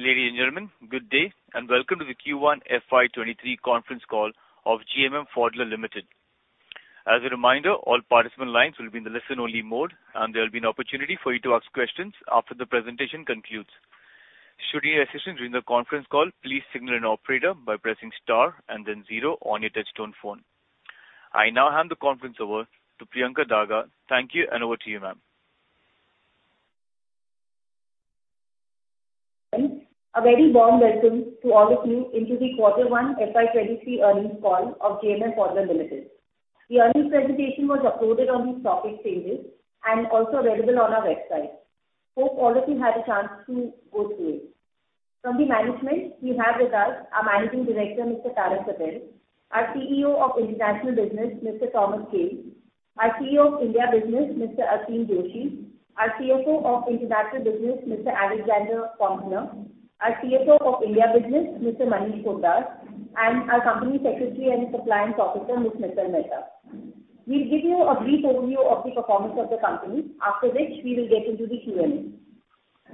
Ladies and gentlemen, good day, and welcome to the Q1 FY23 conference call of GMM Pfaudler Limited. As a reminder, all participant lines will be in the listen-only mode, and there will be an opportunity for you to ask questions after the presentation concludes. Should you need assistance during the conference call, please signal an operator by pressing star and then zero on your touchtone phone. I now hand the conference over to Priyanka Daga. Thank you, and over to you, ma'am. A very warm welcome to all of you into the quarter one FY 2023 earnings call of GMM Pfaudler Limited. The earnings presentation was uploaded on the stock exchange pages and also available on our website. Hope all of you had a chance to go through it. From the management, we have with us our Managing Director, Mr. Tarak Patel, our CEO of International Business, Mr. Thomas Kehl, our CEO of India Business, Mr. Aseem Joshi, our CFO of International Business, Mr. Alexander Pömpner, our CFO of India Business, Mr. Manish Kothari, and our Company Secretary and Compliance Officer, Ms. Mittal Mehta. We'll give you a brief overview of the performance of the company, after which we will get into the Q&A.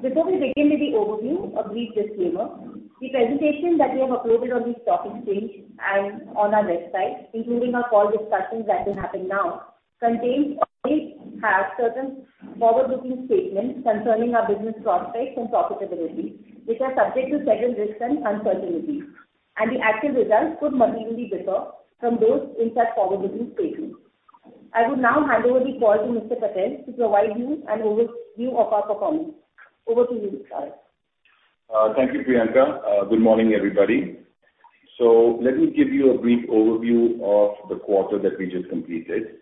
Before we begin with the overview, a brief disclaimer. The presentation that we have uploaded on the stock exchange page and on our website, including our call discussions that will happen now, contains or may have certain forward-looking statements concerning our business prospects and profitability, which are subject to certain risks and uncertainties, and the actual results could materially differ from those in such forward-looking statements. I would now hand over the call to Mr. Patel to provide you an overview of our performance. Over to you, sir. Thank you, Priyanka. Good morning, everybody. Let me give you a brief overview of the quarter that we just completed.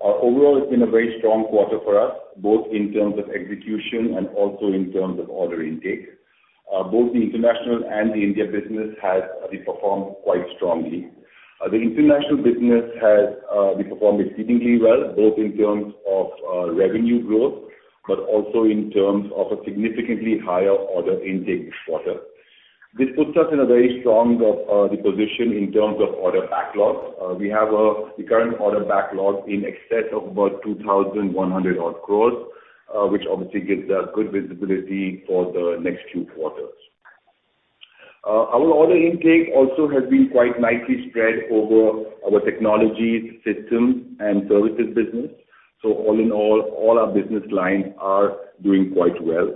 Overall, it's been a very strong quarter for us, both in terms of execution and also in terms of order intake. Both the international and the India business has performed quite strongly. The international business has performed exceedingly well, both in terms of revenue growth, but also in terms of a significantly higher order intake this quarter. This puts us in a very strong position in terms of order backlogs. We have the current order backlog in excess of about 2,100 crores, which obviously gives us good visibility for the next few quarters. Our order intake also has been quite nicely spread over our technologies, systems, and services business. All in all our business lines are doing quite well.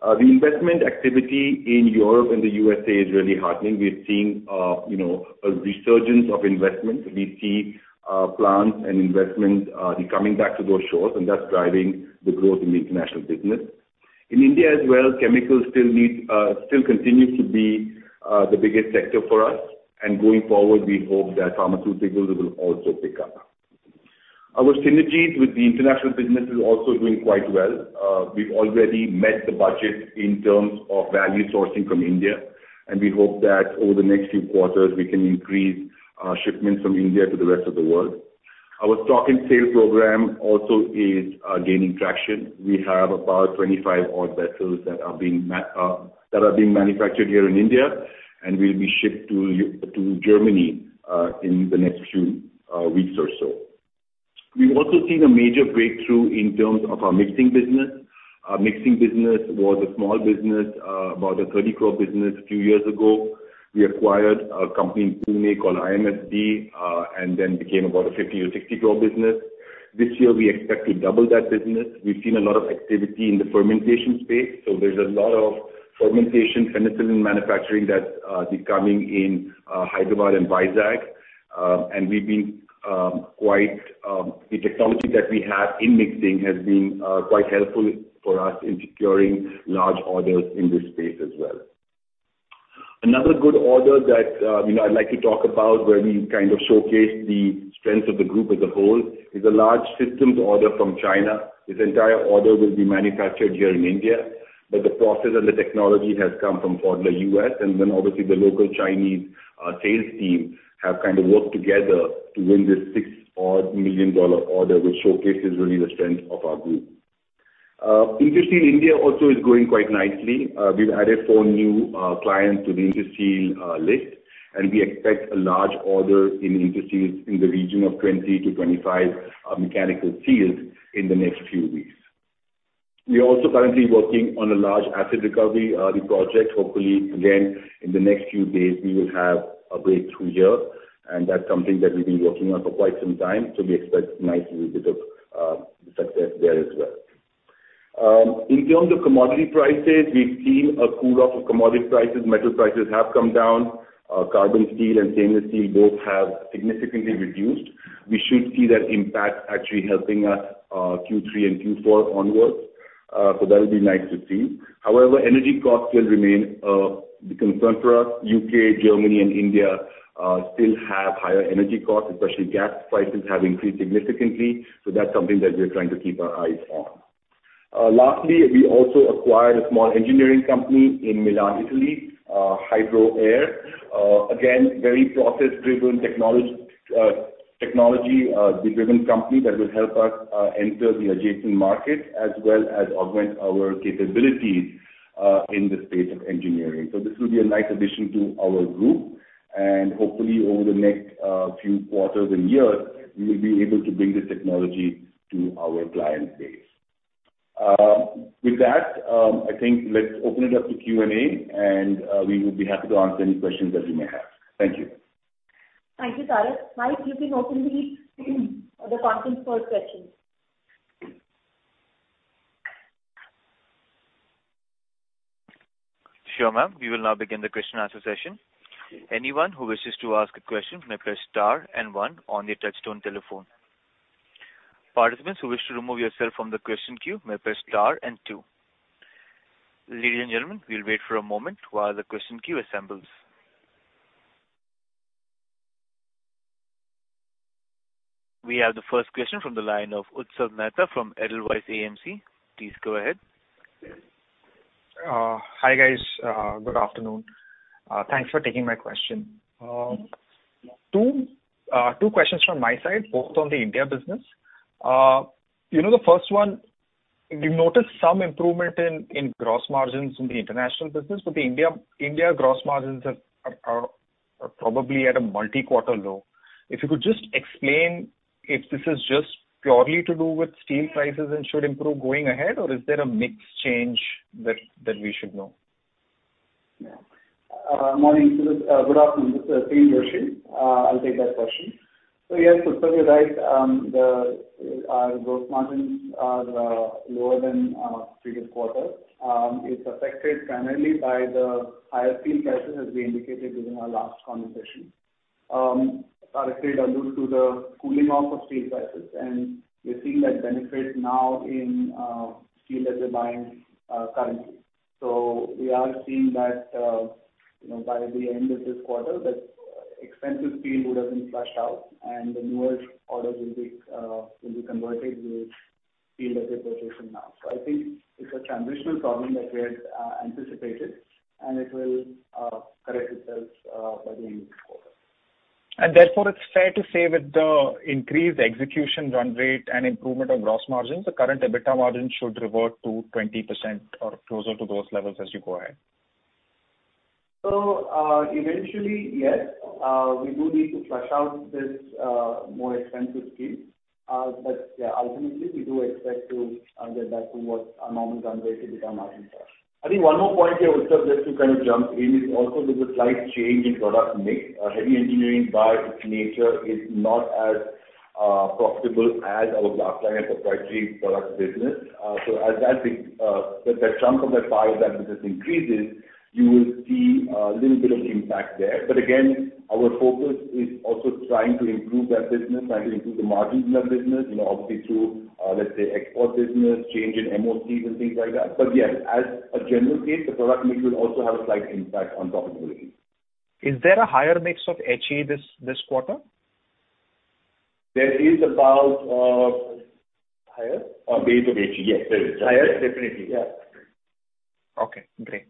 The investment activity in Europe and the USA is really heartening. We're seeing, you know, a resurgence of investment. We see plants and investments coming back to those shores, and that's driving the growth in the international business. In India as well, chemicals still continues to be the biggest sector for us. Going forward, we hope that pharmaceuticals will also pick up. Our synergies with the international business is also doing quite well. We've already met the budget in terms of value sourcing from India, and we hope that over the next few quarters, we can increase shipments from India to the rest of the world. Our stock and sales program also is gaining traction. We have about 25 odd vessels that are being manufactured here in India and will be shipped to Germany in the next few weeks or so. We've also seen a major breakthrough in terms of our mixing business. Our mixing business was a small business, about 30 crore business a few years ago. We acquired a company in Pune called IMSD, and then became about 50 or 60 crore business. This year, we expect to double that business. We've seen a lot of activity in the fermentation space, so there's a lot of fermentation penicillin manufacturing that is coming in, Hyderabad and Vizag. The technology that we have in mixing has been quite helpful for us in securing large orders in this space as well. Another good order that, you know, I'd like to talk about where we kind of showcase the strength of the group as a whole is a large systems order from China. This entire order will be manufactured here in India, but the process and the technology has come from Pfaudler US, and then obviously the local Chinese sales team have kind of worked together to win this $6 million order, which showcases really the strength of our group. Interseal India also is growing quite nicely. We've added four new clients to the Interseal list, and we expect a large order in Interseal in the region of 20-25 mechanical seals in the next few weeks. We are also currently working on a large asset recovery project. Hopefully, again, in the next few days, we will have a breakthrough here, and that's something that we've been working on for quite some time. We expect nicely a bit of success there as well. In terms of commodity prices, we've seen a cool off of commodity prices. Metal prices have come down. Carbon steel and stainless steel both have significantly reduced. We should see that impact actually helping us, Q3 and Q4 onwards. That will be nice to see. However, energy costs will remain the concern for us. U.K., Germany, and India still have higher energy costs, especially gas prices have increased significantly, so that's something that we're trying to keep our eyes on. Lastly, we also acquired a small engineering company in Milan, Italy, Hydro Air. Again, very process-driven technology driven company that will help us enter the adjacent markets as well as augment our capabilities in the space of engineering. This will be a nice addition to our group. Hopefully over the next few quarters and years, we will be able to bring this technology to our client base. With that, I think let's open it up to Q&A, and we would be happy to answer any questions that you may have. Thank you. Thank you, Tarak. Mike, you can open the conference for questions. Sure, ma'am. We will now begin the question answer session. Anyone who wishes to ask a question may press star and one on your touchtone telephone. Participants who wish to remove yourself from the question queue may press star and two. Ladies and gentlemen, we'll wait for a moment while the question queue assembles. We have the first question from the line of Utsav Mehta from Edelweiss AMC. Please go ahead. Hi, guys. Good afternoon. Thanks for taking my question. Two questions from my side, both on the India business. You know, the first one, we've noticed some improvement in gross margins in the international business. The India gross margins are probably at a multi-quarter low. If you could just explain if this is just purely to do with steel prices and should improve going ahead, or is there a mix change that we should know? Yeah. Morning, Utsav. Good afternoon. This is Aseem Joshi. I'll take that question. Yes, Utsav, you're right. Our gross margins are lower than previous quarter. It's affected primarily by the higher steel prices, as we indicated during our last conversation. Tarak Patel did allude to the cooling off of steel prices, and we're seeing that benefit now in steel that we're buying currently. We are seeing that, you know, by the end of this quarter, that expensive steel would have been flushed out and the newer orders will be converted with steel that we're purchasing now. I think it's a transitional problem that we had anticipated, and it will correct itself by the end of this quarter. Therefore, it's fair to say with the increased execution run rate and improvement of gross margins, the current EBITDA margin should revert to 20% or closer to those levels as you go ahead. Eventually, yes, we do need to flush out this more expensive steel. Yeah, ultimately, we do expect to get back to what our normal run rate should be on margin. I think one more point here, Utsav, just to kind of jump in, is also there's a slight change in product mix. Heavy engineering, by its nature, is not as profitable as our glass-lined proprietary products business. So as the chunk of that pie of that business increases, you will see a little bit of impact there. Again, our focus is also trying to improve that business, trying to improve the margins in that business, you know, obviously through, let's say, export business, change in MoCs and things like that. Yes, as a general case, the product mix will also have a slight impact on profitability. Is there a higher mix of HE this quarter? There is about. Higher? A base of HE. Yes, there is. Higher? Definitely. Yeah. Okay, great.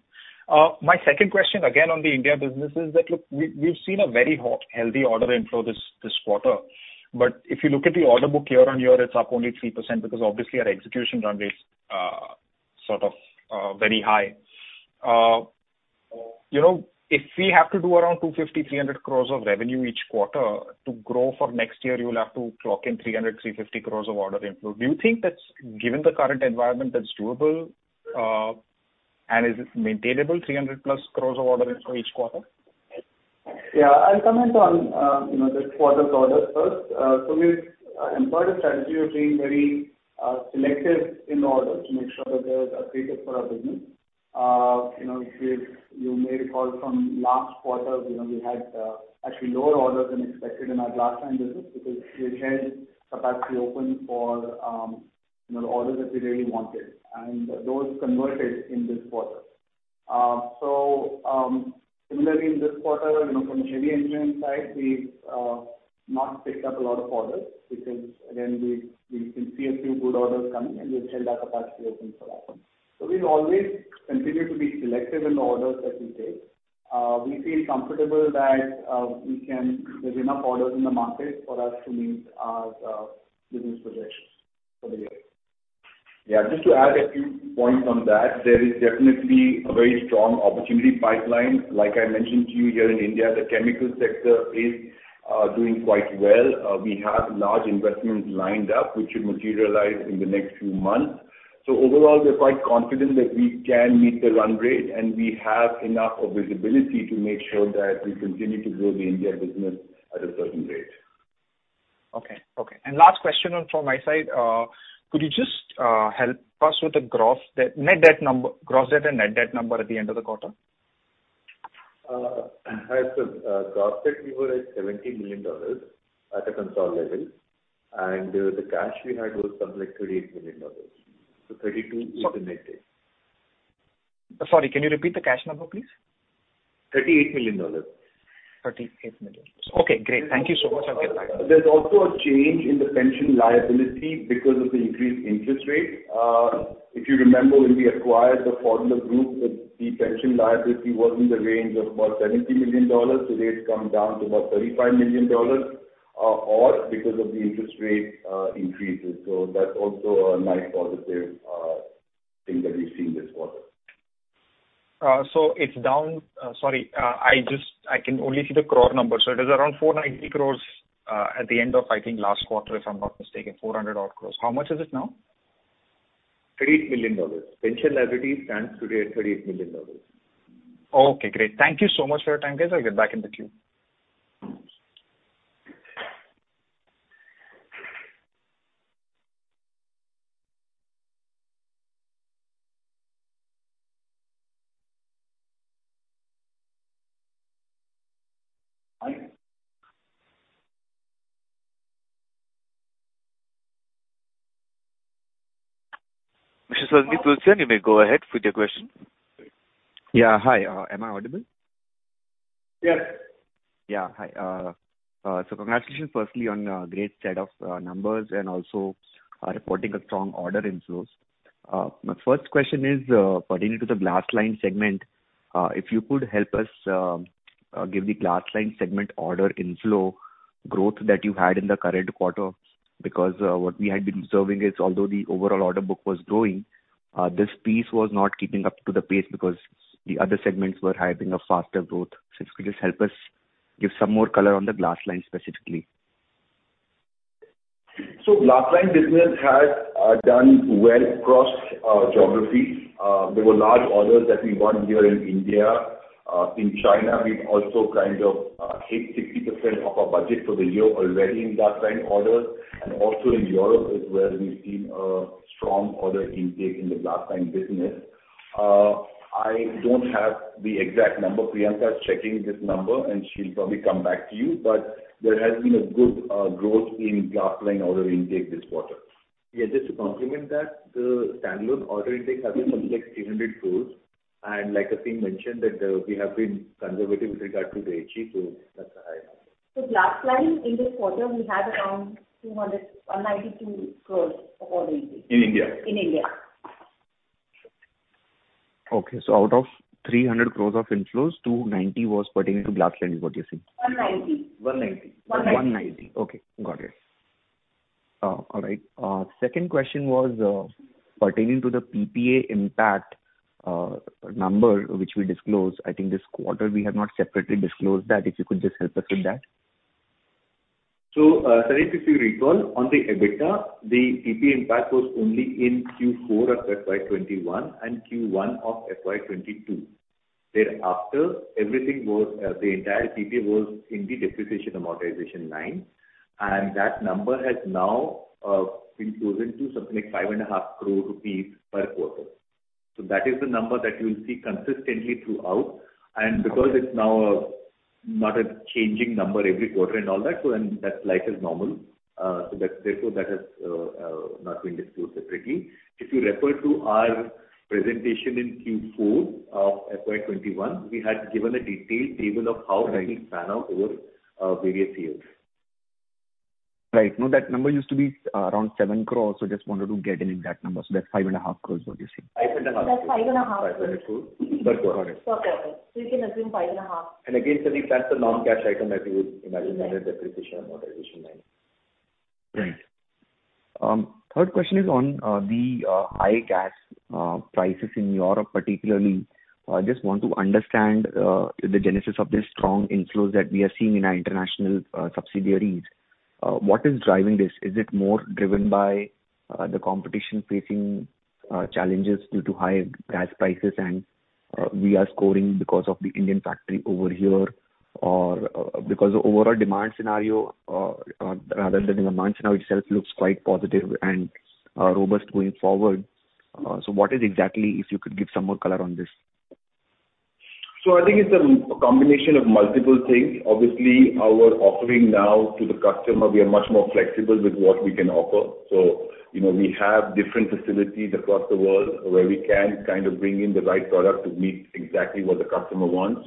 My second question again on the India business is that, look, we've seen a very healthy order inflow this quarter. If you look at the order book year-on-year, it's up only 3% because obviously our execution run rates are sort of very high. You know, if we have to do around 250-300 crores of revenue each quarter to grow for next year, you will have to clock in 300-350 crores of order inflow. Do you think that's, given the current environment, that's doable? And is it maintainable, 300+ crores of order inflow each quarter? Yeah. I'll comment on you know this quarter's orders first. We've employed a strategy of being very selective in orders to make sure that they are accretive for our business. You know, if you may recall from last quarter, you know, we had actually lower orders than expected in our blast furnace business because we had held capacity open for you know orders that we really wanted and those converted in this quarter. Similarly in this quarter, you know, from the heavy engineering side, we've not picked up a lot of orders because again, we can see a few good orders coming, and we've held our capacity open for that one. We'll always continue to be selective in the orders that we take. We feel comfortable that we can. There's enough orders in the market for us to meet our business projections for the year. Yeah. Just to add a few points on that, there is definitely a very strong opportunity pipeline. Like I mentioned to you, here in India, the chemical sector is doing quite well. We have large investments lined up, which should materialize in the next few months. Overall, we're quite confident that we can meet the run rate, and we have enough of visibility to make sure that we continue to grow the India business at a certain rate. Okay. Last question from my side. Could you just help us with the gross debt, net debt number, gross debt and net debt number at the end of the quarter? Hi, Utsav. Gross debt we were at $70 million at a consolidated level, and the cash we had was something like $38 million. $32 million is the net debt. Sorry, can you repeat the cash number, please? $38 million. 38 million. Okay, great. Thank you so much. I'll get back. There's also a change in the pension liability because of the increased interest rate. If you remember when we acquired the Pfaudler Group, the pension liability was in the range of about $70 million. Today, it's come down to about $35 million, all because of the interest rate increases. That's also a nice positive thing that we've seen this quarter. It's down. Sorry, I can only see the crore number, so it is around 490 crores at the end of, I think, last quarter, if I'm not mistaken, 400-odd crores. How much is it now? $38 million. Pension liability stands today at $38 million. Okay, great. Thank you so much for your time, guys. I'll get back in the queue. Hi. Mr. Ankur Sawhney, you may go ahead with your question. Yeah. Hi. Am I audible? Yes. Yeah. Hi. Congratulations firstly on a great set of numbers and also reporting a strong order inflows. My first question is pertaining to the glass-lined segment. If you could help us give the glass-lined segment order inflow growth that you had in the current quarter, because what we had been observing is, although the overall order book was growing, this piece was not keeping up to the pace because the other segments were having a faster growth. If you could just help us give some more color on the glass-lined specifically. Glass-lined business has done well across geographies. There were large orders that we won here in India. In China, we've also kind of hit 60% of our budget for the year already in glass-lined orders. Also in Europe is where we've seen a strong order intake in the glass-lined business. I don't have the exact number. Priyanka is checking this number, and she'll probably come back to you. There has been a good growth in glass-lined order intake this quarter. Yeah, just to complement that, the standalone order intake has been something like 300 crores. Like Aseem mentioned, that we have been conservative with regard to the HE, so that's a high number. Glass-lined, in this quarter we had around 292 crores of order intake. In India. In India. Okay. Out of 300 crores of inflows, 290 was pertaining to glass line, is what you're saying? 190. 190. 190. 190. Okay. Got it. All right. Second question was pertaining to the PPA impact number which we disclosed. I think this quarter we have not separately disclosed that, if you could just help us with that. Sandeep, if you recall, on the EBITDA, the PPA impact was only in Q4 of FY 2021 and Q1 of FY 2022. Thereafter, everything was, the entire PPA was in the depreciation amortization line, and that number has now, been closed into something like 5.5 crore rupees per quarter. That is the number that you'll see consistently throughout. Because it's now, not a changing number every quarter and all that, so then that's life as normal. That's therefore not being disclosed separately. If you refer to our presentation in Q4 of FY 2021, we had given a detailed table of how this will pan out over, various years. Right. No, that number used to be around 7 crore, so just wanted to get it in that number. That's 5 and a half crore is what you're saying? 5.5 crores. That's 5.5. 5.2. Per quarter. Got it. Per quarter. You can assume 5.5. Again, Sandeep, that's a non-cash item, as you would imagine under depreciation amortization line. Right. Third question is on the high gas prices in Europe, particularly. Just want to understand the genesis of the strong inflows that we are seeing in our international subsidiaries. What is driving this? Is it more driven by the competition facing challenges due to high gas prices and we are scoring because of the Indian factory over here, or because the demand scenario itself looks quite positive and robust going forward. What is exactly, if you could give some more color on this? I think it's a combination of multiple things. Obviously, our offering now to the customer, we are much more flexible with what we can offer. You know, we have different facilities across the world where we can kind of bring in the right product to meet exactly what the customer wants.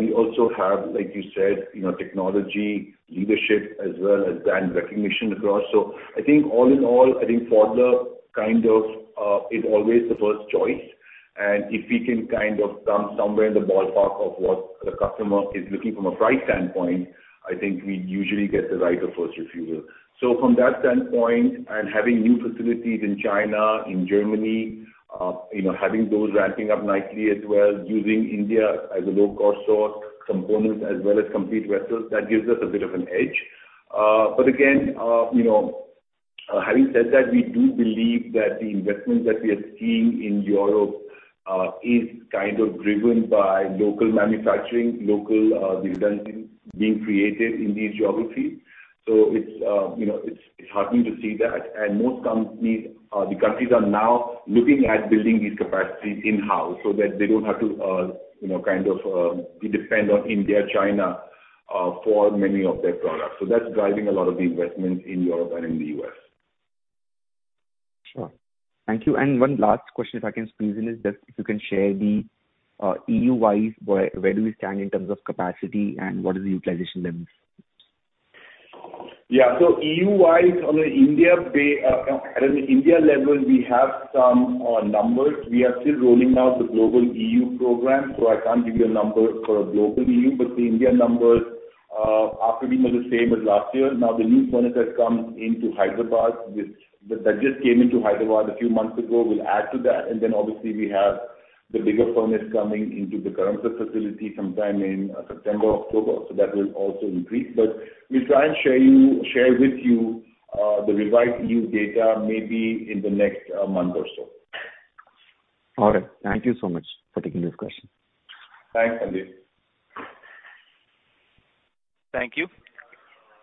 We also have, like you said, you know, technology leadership as well as, and recognition across. I think all in all, I think Pfaudler kind of is always the first choice. If we can kind of come somewhere in the ballpark of what the customer is looking from a price standpoint, I think we usually get the right of first refusal. From that standpoint, and having new facilities in China, in Germany, you know, having those ramping up nicely as well, using India as a low-cost source, components as well as complete vessels, that gives us a bit of an edge. But again, you know, having said that, we do believe that the investments that we are seeing in Europe is kind of driven by local manufacturing, local businesses being created in these geographies. It's, you know, heartening to see that. Most companies, the countries are now looking at building these capacities in-house so that they don't have to, you know, kind of depend on India, China for many of their products. That's driving a lot of the investments in Europe and in the U.S. Sure. Thank you. One last question, if I can squeeze in, is just if you can share the, GLE-wise, where we stand in terms of capacity and what is the utilization levels? Yeah. GLE-wise, on the India biz, at an India level, we have some numbers. We are still rolling out the global GLE program, so I can't give you a number for global GLE, but the India numbers after being the same as last year. Now the new furnace has come into Hyderabad. That just came into Hyderabad a few months ago. We'll add to that, and then obviously we have the bigger furnace coming into the Dharamsi facility sometime in September, October. That will also increase. We'll try and share with you the revised new data maybe in the next month or so. All right. Thank you so much for taking this question. Thanks, Sawhney. Thank you.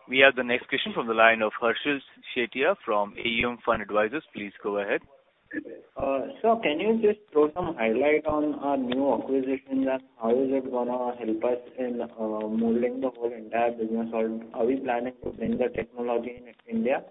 We have the next question from the line of Harshil Sethia from AUM Fund Advisors. Please go ahead. Sir, can you just throw some light on our new acquisition and how is it gonna help us in modeling the whole entire business or are we planning to bring the technology in India?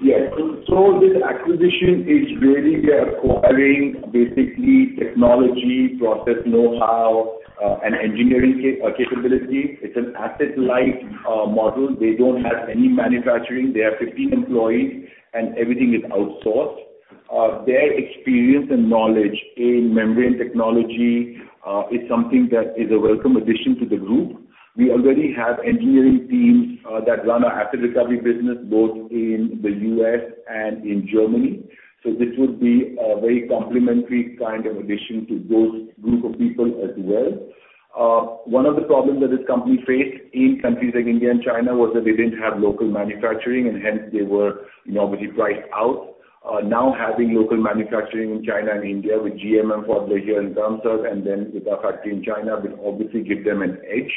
Yes. This acquisition is really we are acquiring basically technology, process know-how, and engineering capability. It's an asset-light model. They don't have any manufacturing. They have 15 employees and everything is outsourced. Their experience and knowledge in membrane technology is something that is a welcome addition to the group. We already have engineering teams that run our asset recovery business both in the U.S. and in Germany, so this would be a very complementary kind of addition to those group of people as well. One of the problems that this company faced in countries like India and China was that they didn't have local manufacturing and hence they were, you know, basically priced out. Now having local manufacturing in China and India with GMM facility here in Dharamsi and then with our factory in China will obviously give them an edge.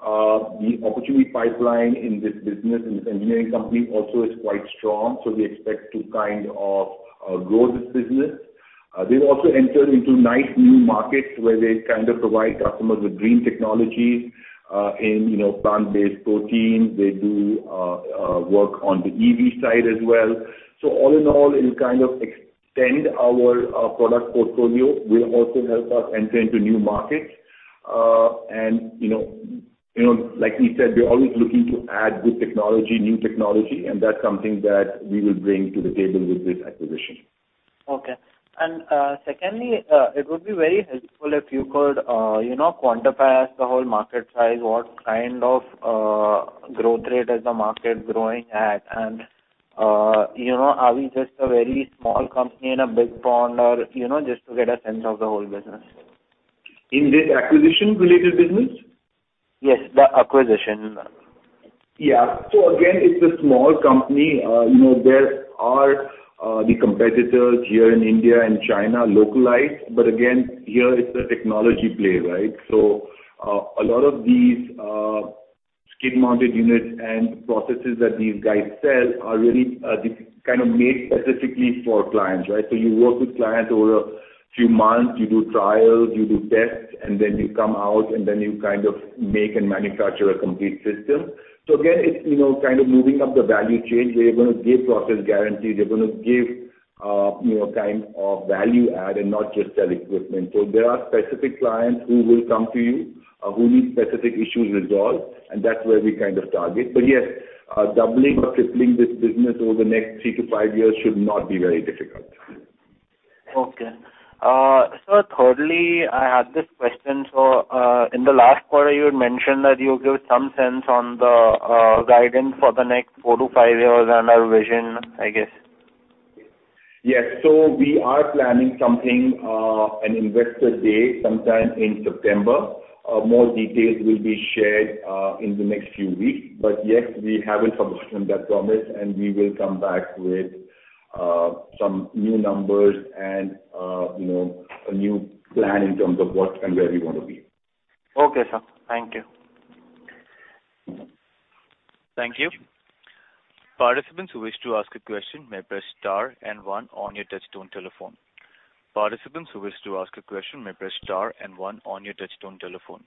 The opportunity pipeline in this business, in this engineering company also is quite strong, so we expect to kind of grow this business. They've also entered into nice new markets where they kind of provide customers with green technology in you know plant-based protein. They do work on the EV side as well. All in all, it'll kind of extend our product portfolio, will also help us enter into new markets. You know, like we said, we're always looking to add good technology, new technology, and that's something that we will bring to the table with this acquisition. Okay. Secondly, it would be very helpful if you could, you know, quantify us the whole market size. What kind of growth rate is the market growing at? You know, are we just a very small company in a big pond or, you know, just to get a sense of the whole business. In this acquisition-related business? Yes, the acquisition. Yeah. Again, it's a small company. You know, there are the competitors here in India and China localized, but again, here it's a technology play, right? A lot of these skid-mounted units and processes that these guys sell are really kind of made specifically for clients, right? You work with clients over a few months, you do trials, you do tests, and then you come out and then you kind of make and manufacture a complete system. Again, it's you know, kind of moving up the value chain where you're gonna give process guarantees, you're gonna give you know, a kind of value add and not just sell equipment. There are specific clients who will come to you who need specific issues resolved, and that's where we kind of target. Yes, doubling or tripling this business over the next 3-5 years should not be very difficult. Okay, sir, thirdly, I had this question. In the last quarter, you had mentioned that you'll give some sense on the guidance for the next 4-5 years and our vision, I guess. Yes. We are planning something, an investor day sometime in September. More details will be shared in the next few weeks. Yes, we haven't forgotten that promise, and we will come back with some new numbers and, you know, a new plan in terms of what and where we wanna be. Okay, sir. Thank you. Thank you. Participants who wish to ask a question may press star and one on your touchtone telephone. Participants who wish to ask a question may press star and one on your touchtone telephone.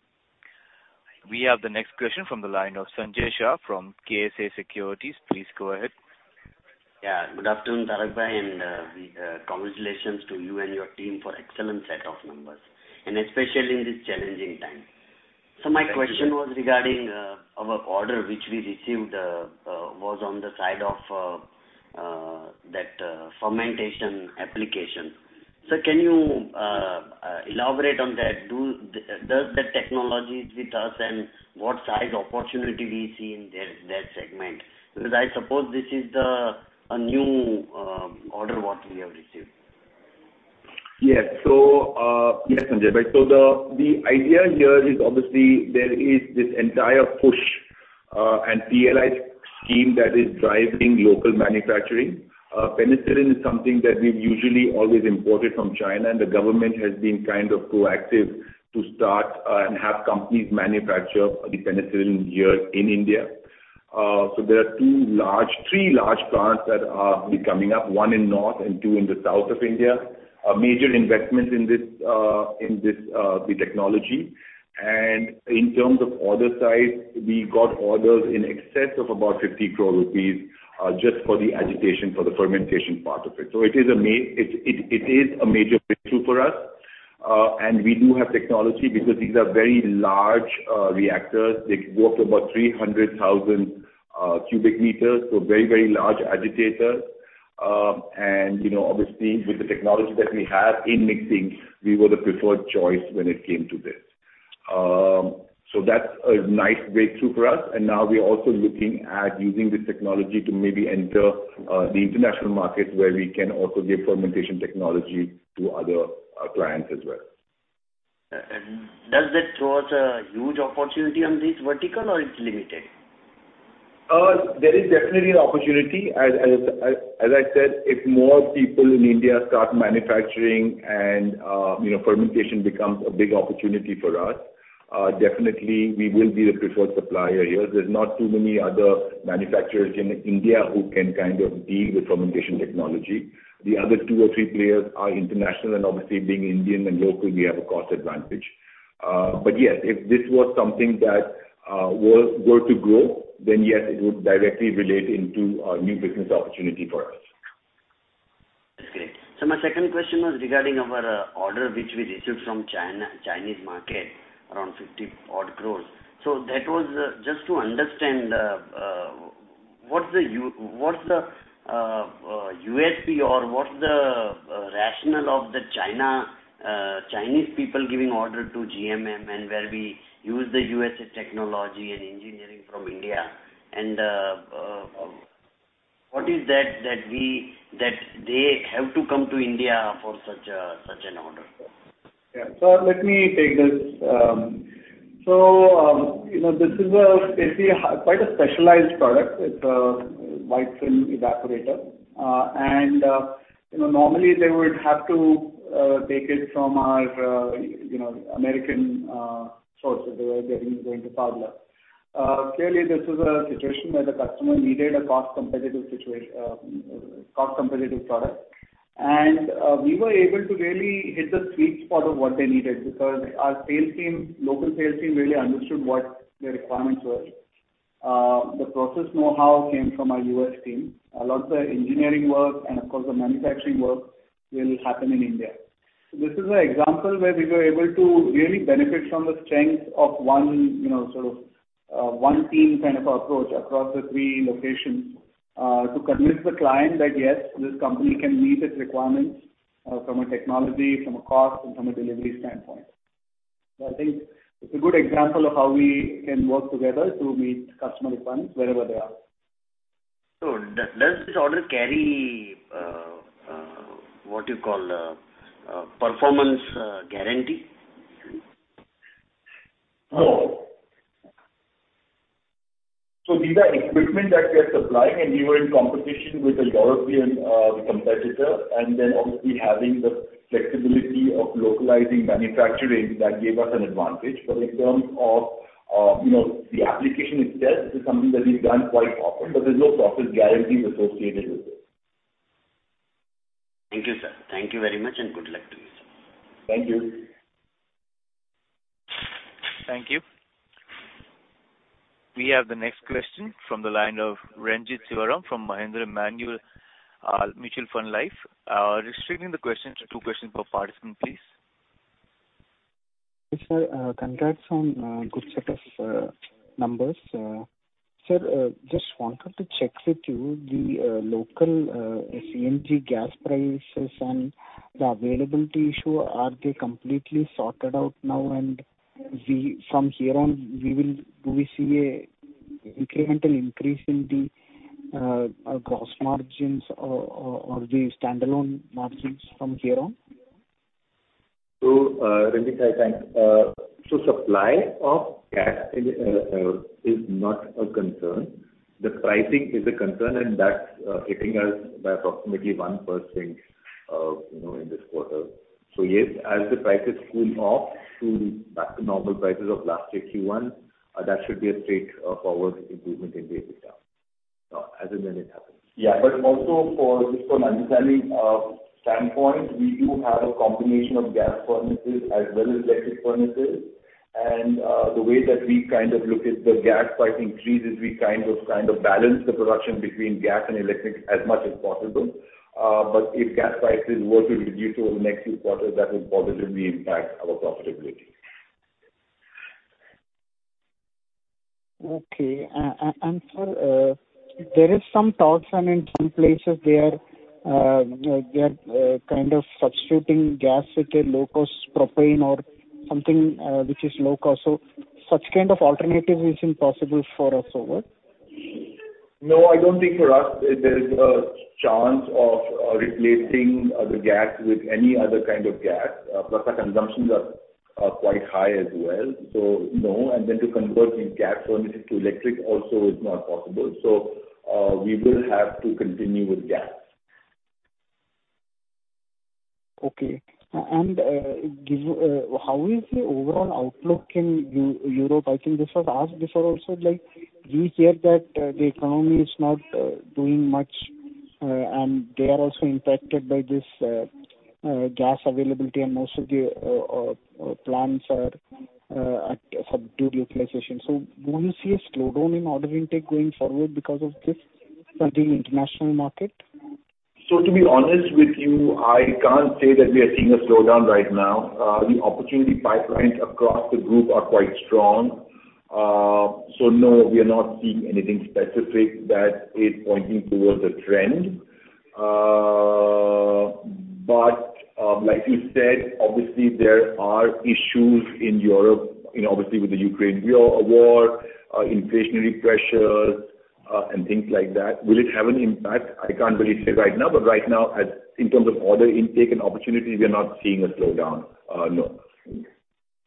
We have the next question from the line of Sanjay Shah from KSA Shares & Securities. Please go ahead. Yeah. Good afternoon, Tarak bhai, and congratulations to you and your team for excellent set of numbers, and especially in this challenging time. Thank you. My question was regarding our order which we received was on the side of that fermentation application. Sir, can you elaborate on that? Does the technology is with us, and what size opportunity we see in their, that segment? Because I suppose this is a new order what we have received. Yes, Sanjay Shah. The idea here is obviously there is this entire push and PLI scheme that is driving local manufacturing. Penicillin is something that we've usually always imported from China, and the government has been kind of proactive to start and have companies manufacture the penicillin here in India. There are three large plants that are coming up, one in the north and two in the south of India. Major investments in this, in this, the technology. In terms of order size, we got orders in excess of about 50 crore rupees, just for the agitation, for the fermentation part of it. It is a major breakthrough for us, and we do have technology because these are very large reactors. They go up to about 300,000 cubic meters, so very, very large agitators. You know, obviously, with the technology that we have in mixing, we were the preferred choice when it came to this. That's a nice breakthrough for us. Now we are also looking at using this technology to maybe enter the international market, where we can also give fermentation technology to other clients as well. Does that throw us a huge opportunity on this vertical or it's limited? There is definitely an opportunity. As I said, if more people in India start manufacturing and you know, fermentation becomes a big opportunity for us, definitely we will be the preferred supplier here. There's not too many other manufacturers in India who can kind of deal with fermentation technology. The other two or three players are international, and obviously being Indian and local, we have a cost advantage. Yes, if this was something that were to grow, then yes, it would directly relate into a new business opportunity for us. That's great. My second question was regarding our order, which we received from China, Chinese market around 50 crores. That was just to understand, what's the USP or what's the rationale of the Chinese people giving order to GMM and where we use the U.S.'s technology and engineering from India. What is that that they have to come to India for such an order? Yeah. Let me take this. You know, this is basically a quite specialized product. It's a wiped film evaporator. You know, normally they would have to take it from our American source that they were getting from Pfaudler. Clearly this is a situation where the customer needed a cost competitive product. We were able to really hit the sweet spot of what they needed because our sales team, local sales team really understood what the requirements were. The process know-how came from our U.S. team. A lot of the engineering work and of course the manufacturing work will happen in India. This is an example where we were able to really benefit from the strength of one, you know, sort of, one team kind of approach across the three locations, to convince the client that, yes, this company can meet its requirements, from a technology, from a cost, and from a delivery standpoint. I think it's a good example of how we can work together to meet customer requirements wherever they are. Does this order carry what you call performance guarantee? No. These are equipment that we are supplying, and we were in competition with a European competitor, and then obviously having the flexibility of localizing manufacturing that gave us an advantage. In terms of, you know, the application itself, this is something that we've done quite often, but there's no process guarantees associated with it. Thank you, sir. Thank you very much and good luck to you, sir. Thank you. Thank you. We have the next question from the line of Renjit Sivaram from Mahindra Manulife Mutual Fund. Restricting the question to two questions per participant, please. Yes, sir. Congrats on good set of numbers. Sir, just wanted to check with you the local CNG gas prices and the availability issue. Are they completely sorted out now? From here on, do we see an incremental increase in the gross margins or the standalone margins from here on? Renjit, hi. Thanks. Supply of gas is not a concern. The pricing is a concern, and that's hitting us by approximately 1%, you know, in this quarter. Yes, as the prices cool off back to normal prices of last year Q1, that should be a straightforward improvement in the EBITDA, as and when it happens. Yeah. But also, just from an understanding standpoint, we do have a combination of gas furnaces as well as electric furnaces. The way that we kind of look at the gas price increase is we kind of balance the production between gas and electric as much as possible. But if gas prices were to reduce over the next few quarters, that will positively impact our profitability. Sir, there is some thoughts and in some places they are kind of substituting gas with a low-cost propane or something, which is low cost. Such kind of alternative is impossible for us over? No, I don't think for us there's a chance of replacing the gas with any other kind of gas. Plus our consumptions are quite high as well. No. To convert the gas furnaces to electric also is not possible. We will have to continue with gas. How is the overall outlook in Europe? I think this was asked before also, like we hear that the economy is not doing much, and they are also impacted by this gas availability and also the plants are at subdued utilization. Do you see a slowdown in order intake going forward because of this current international market? To be honest with you, I can't say that we are seeing a slowdown right now. The opportunity pipelines across the group are quite strong. No, we are not seeing anything specific that is pointing towards a trend. Like you said, obviously there are issues in Europe, you know, obviously with the Ukraine war, inflationary pressures, and things like that. Will it have an impact? I can't really say right now, but right now as in terms of order intake and opportunity, we are not seeing a slowdown. No.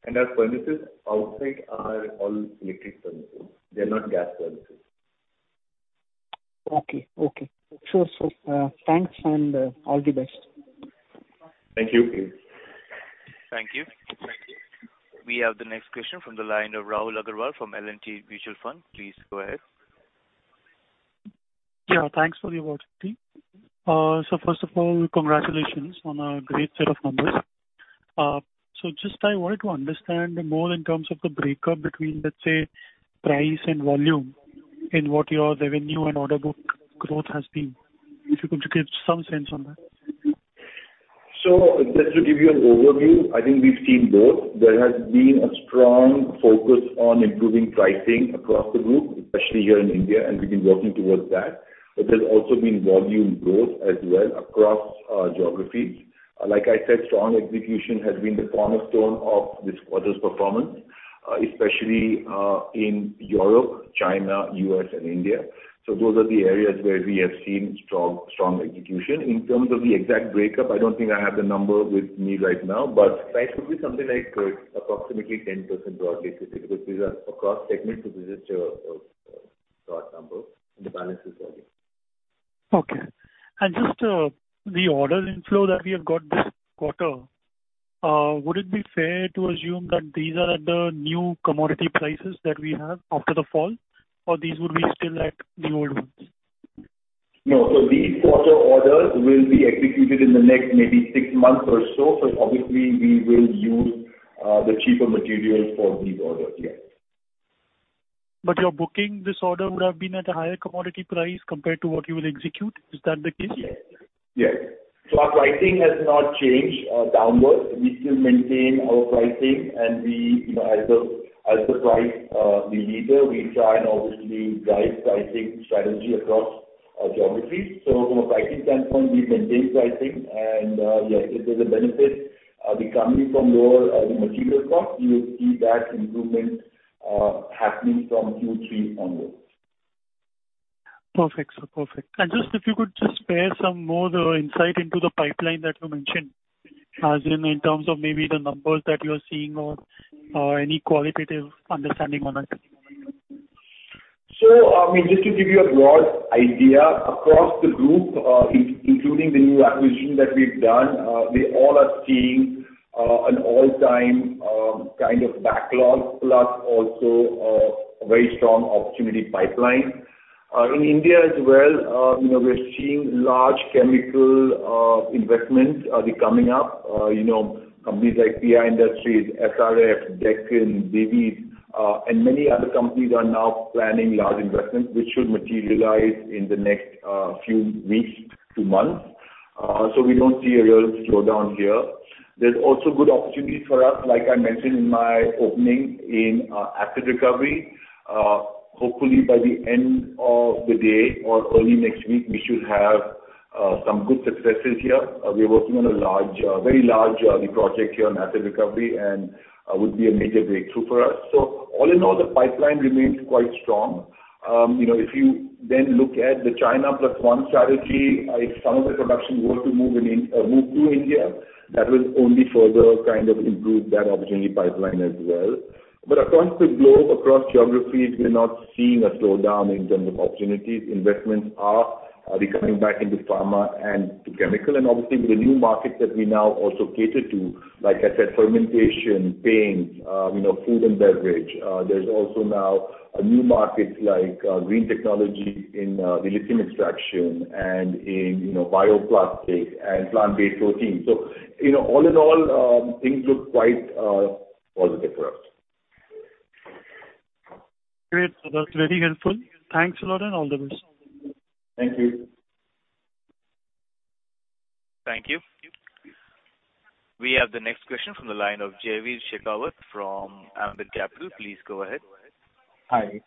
As furnaces outside are all electric furnaces, they're not gas furnaces. Okay. Sure, sir. Thanks and all the best. Thank you. Thank you. Thank you. We have the next question from the line of Rahul Agarwal from L&T Mutual Fund. Please go ahead. Yeah, thanks for your work team. First of all, congratulations on a great set of numbers. Just I wanted to understand more in terms of the breakup between, let's say, price and volume in what your revenue and order book growth has been. If you could give some sense on that. Just to give you an overview, I think we've seen both. There has been a strong focus on improving pricing across the group, especially here in India, and we've been working towards that. There's also been volume growth as well across geographies. Like I said, strong execution has been the cornerstone of this quarter's performance, especially in Europe, China, U.S. and India. Those are the areas where we have seen strong execution. In terms of the exact breakup, I don't think I have the number with me right now, but that could be something like approximately 10% broadly speaking, because these are across segments, so this is just a broad number, and the balance is volume. Just the order inflow that we have got this quarter, would it be fair to assume that these are the new commodity prices that we have after the fall, or these would be still at the old ones? No. These quarter orders will be executed in the next maybe six months or so. Obviously we will use the cheaper materials for these orders. Yeah. Your booking this order would have been at a higher commodity price compared to what you will execute. Is that the case? Yes. Our pricing has not changed downwards. We still maintain our pricing and we, you know, as the price leader, we try and obviously drive pricing strategy across geographies. From a pricing standpoint, we maintain pricing and yes, if there's a benefit coming from lower material costs, you will see that improvement happening from Q3 onwards. Perfect, sir. Perfect. Just if you could just share some more the insight into the pipeline that you mentioned, as in terms of maybe the numbers that you're seeing or any qualitative understanding on it. I mean, just to give you a broad idea, across the group, including the new acquisition that we've done, we all are seeing an all-time kind of backlog plus also a very strong opportunity pipeline. In India as well, you know, we're seeing large chemical investments coming up. You know, companies like PI Industries, SRF, Deepak Nitrite, Divi's Laboratories, and many other companies are now planning large investments which should materialize in the next few weeks to months. We don't see a real slowdown here. There's also good opportunities for us, like I mentioned in my opening in asset recovery. Hopefully by the end of the day or early next week, we should have some good successes here. We're working on a large, very large, project here on asset recovery and would be a major breakthrough for us. All in all, the pipeline remains quite strong. You know, if you then look at the China Plus One strategy, if some of the production were to move to India, that will only further kind of improve that opportunity pipeline as well. Across the globe, across geographies, we're not seeing a slowdown in terms of opportunities. Investments are becoming back into pharma and chemical and obviously the new markets that we now also cater to, like I said, fermentation, paint, you know, food and beverage. There's also now new markets like, green technology in, the lithium extraction and in, you know, bioplastics and plant-based protein. You know, all in all, things look quite positive for us. Great. That's very helpful. Thanks a lot, and all the best. Thank you. Thank you. We have the next question from the line of Jaiveer Shekhawat from Ambit Capital. Please go ahead. Hi,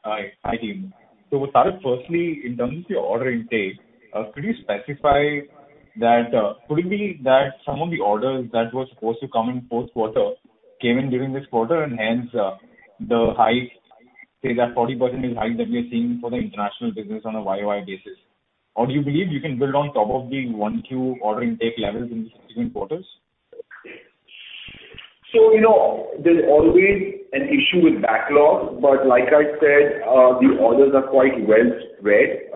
team. To start, firstly, in terms of your order intake, could you specify that, could it be that some of the orders that were supposed to come in fourth quarter came in during this quarter and hence, the high, say that 40% is high that we are seeing for the international business on a YOY basis? Or do you believe you can build on top of the 1Q order intake levels in subsequent quarters? You know, there's always an issue with backlog, but like I said, the orders are quite well spread.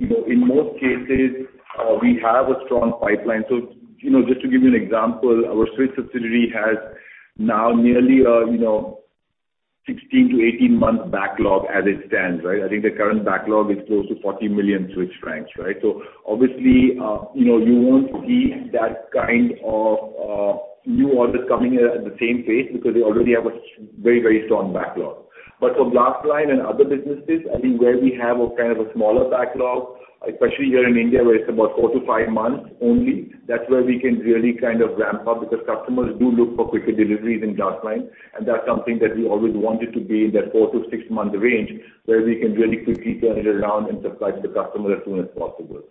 You know, in most cases, we have a strong pipeline. You know, just to give you an example, our Swiss subsidiary has now nearly, you know, 16-18 months backlog as it stands, right? I think the current backlog is close to 40 million Swiss francs, right? Obviously, you know, you won't see that kind of new orders coming at the same pace because they already have a very, very strong backlog. For glass-lined and other businesses, I mean, where we have a kind of a smaller backlog, especially here in India, where it's about 4-5 months only, that's where we can really kind of ramp up because customers do look for quicker deliveries in glass-lined, and that's something that we always want it to be in that 4-6 month range, where we can really quickly turn it around and supply to the customer as soon as possible.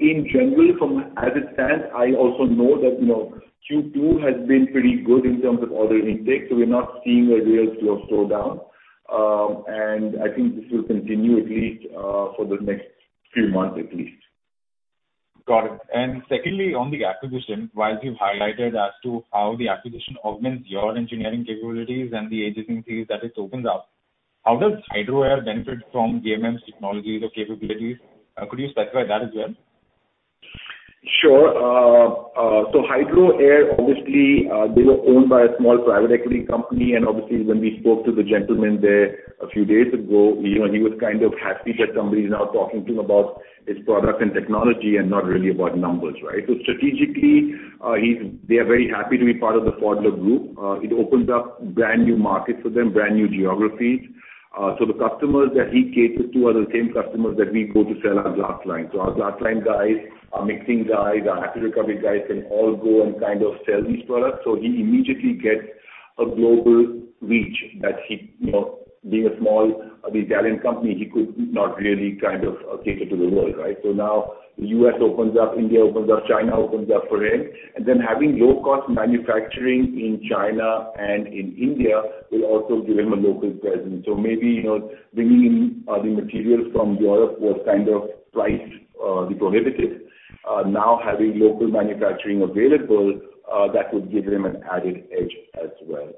In general, from as it stands, I also know that, you know, Q2 has been pretty good in terms of order intake, so we're not seeing a real slowdown. I think this will continue at least for the next few months, at least. Got it. Secondly, on the acquisition, while you've highlighted as to how the acquisition augments your engineering capabilities and the agencies that it opens up, how does Hydro Air benefit from GMM's technologies or capabilities? Could you specify that as well? Sure. Hydro Air, obviously, they were owned by a small private equity company, and obviously, when we spoke to the gentleman there a few days ago, you know, he was kind of happy that somebody is now talking to him about his product and technology and not really about numbers, right? Strategically, they are very happy to be part of the Pfaudler group. It opens up brand-new markets for them, brand-new geographies. The customers that he caters to are the same customers that we go to sell our glass-lined. Our glass-lined guys, our mixing guys, our asset recovery guys can all go and kind of sell these products. He immediately gets a global reach that he, you know, being a small Italian company, he could not really kind of cater to the world, right? Now the US opens up, India opens up, China opens up for him. Having low-cost manufacturing in China and in India will also give him a local presence. Maybe, you know, bringing in the materials from Europe was kind of price prohibitive. Now having local manufacturing available, that would give him an added edge as well.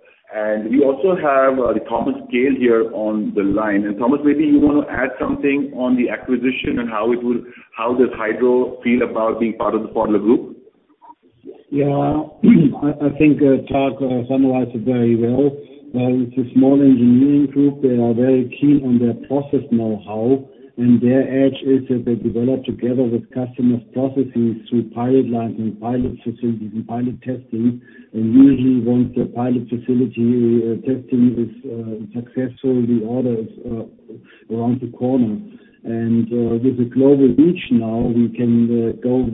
We also have Thomas Kehl here on the line. Thomas, maybe you wanna add something on the acquisition and how does Hydro feel about being part of the Pfaudler group? Yeah. I think Tarak summarized it very well. It's a small engineering group. They are very keen on their process know-how, and their edge is that they develop together with customers' processes through pilot lines and pilot facilities and pilot testing, and usually once the pilot facility testing is successful, the order is around the corner. With the global reach now, we can go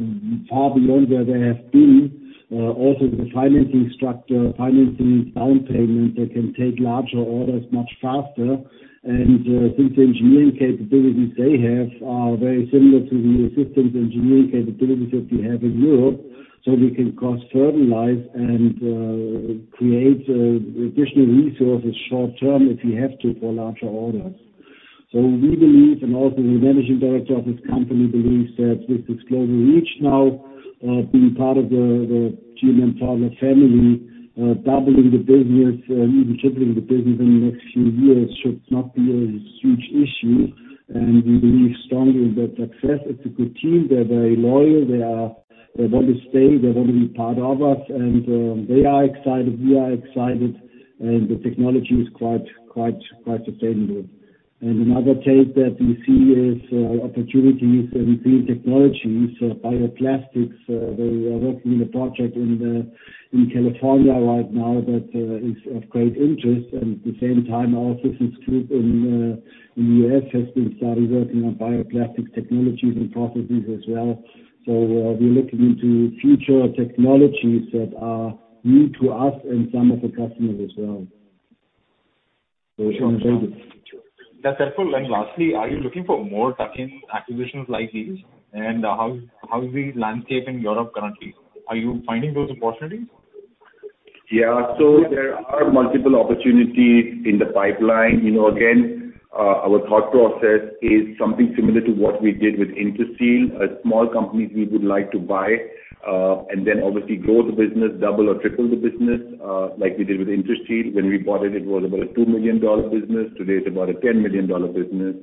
far beyond where they have been. Also with the financing structure, financing down payment, they can take larger orders much faster. Since the engineering capabilities they have are very similar to the systems engineering capabilities that we have in Europe, we can cross-fertilize and create additional resources short-term, if we have to, for larger orders. We believe, and also the managing director of this company believes that with this global reach now, being part of the GMM Pfaudler family, doubling the business, even tripling the business in the next few years should not be a huge issue. We believe strongly in their success. It's a good team. They're very loyal. They want to stay. They want to be part of us. They are excited. We are excited. The technology is quite sustainable. Another case that we see is opportunities in green technologies, bioplastics. They are working on a project in California right now that is of great interest. At the same time, our research group in the US has been started working on bioplastics technologies and processes as well. We're looking into future technologies that are new to us and some of the customers as well. It's going very good. That's helpful. Lastly, are you looking for more tuck-in acquisitions like these? How is the landscape in Europe currently? Are you finding those opportunities? Yeah. There are multiple opportunities in the pipeline. You know, again, our thought process is something similar to what we did with Interseal. Small companies we would like to buy, and then obviously grow the business, double or triple the business, like we did with Interseal. When we bought it was about a $2 million business. Today, it's about a $10 million business.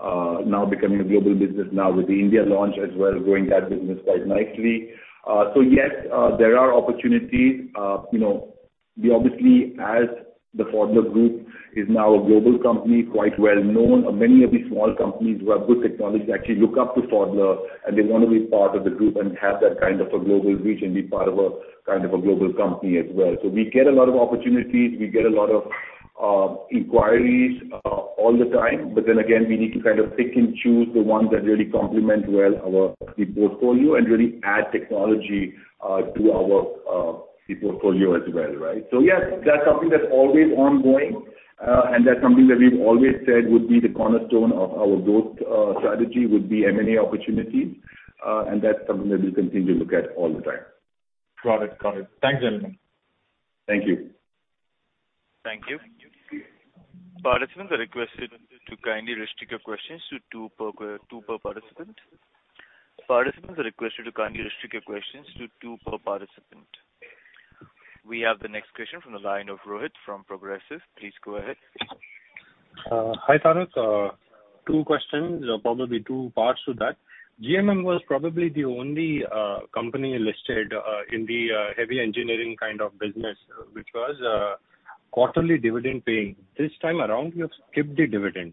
Now becoming a global business with the India launch as well, growing that business quite nicely. Yes, there are opportunities. You know, we obviously as the Pfaudler Group is now a global company, quite well-known. Many of these small companies who have good technology actually look up to Pfaudler, and they wanna be part of the group and have that kind of a global reach and be part of a, kind of a global company as well. We get a lot of opportunities. We get a lot of inquiries all the time. Again, we need to kind of pick and choose the ones that really complement well our, the portfolio and really add technology to our, the portfolio as well, right? Yes, that's something that's always ongoing, and that's something that we've always said would be the cornerstone of our growth strategy, would be M&A opportunities, and that's something that we'll continue to look at all the time. Got it. Thanks, gentlemen. Thank you. Thank you. Participants are requested to kindly restrict your questions to two per participant. We have the next question from the line of Rohit from Progressive. Please go ahead. Hi, Tarak. Two questions or probably two parts to that. GMM was probably the only company listed in the heavy engineering kind of business, which was quarterly dividend paying. This time around you have skipped the dividend.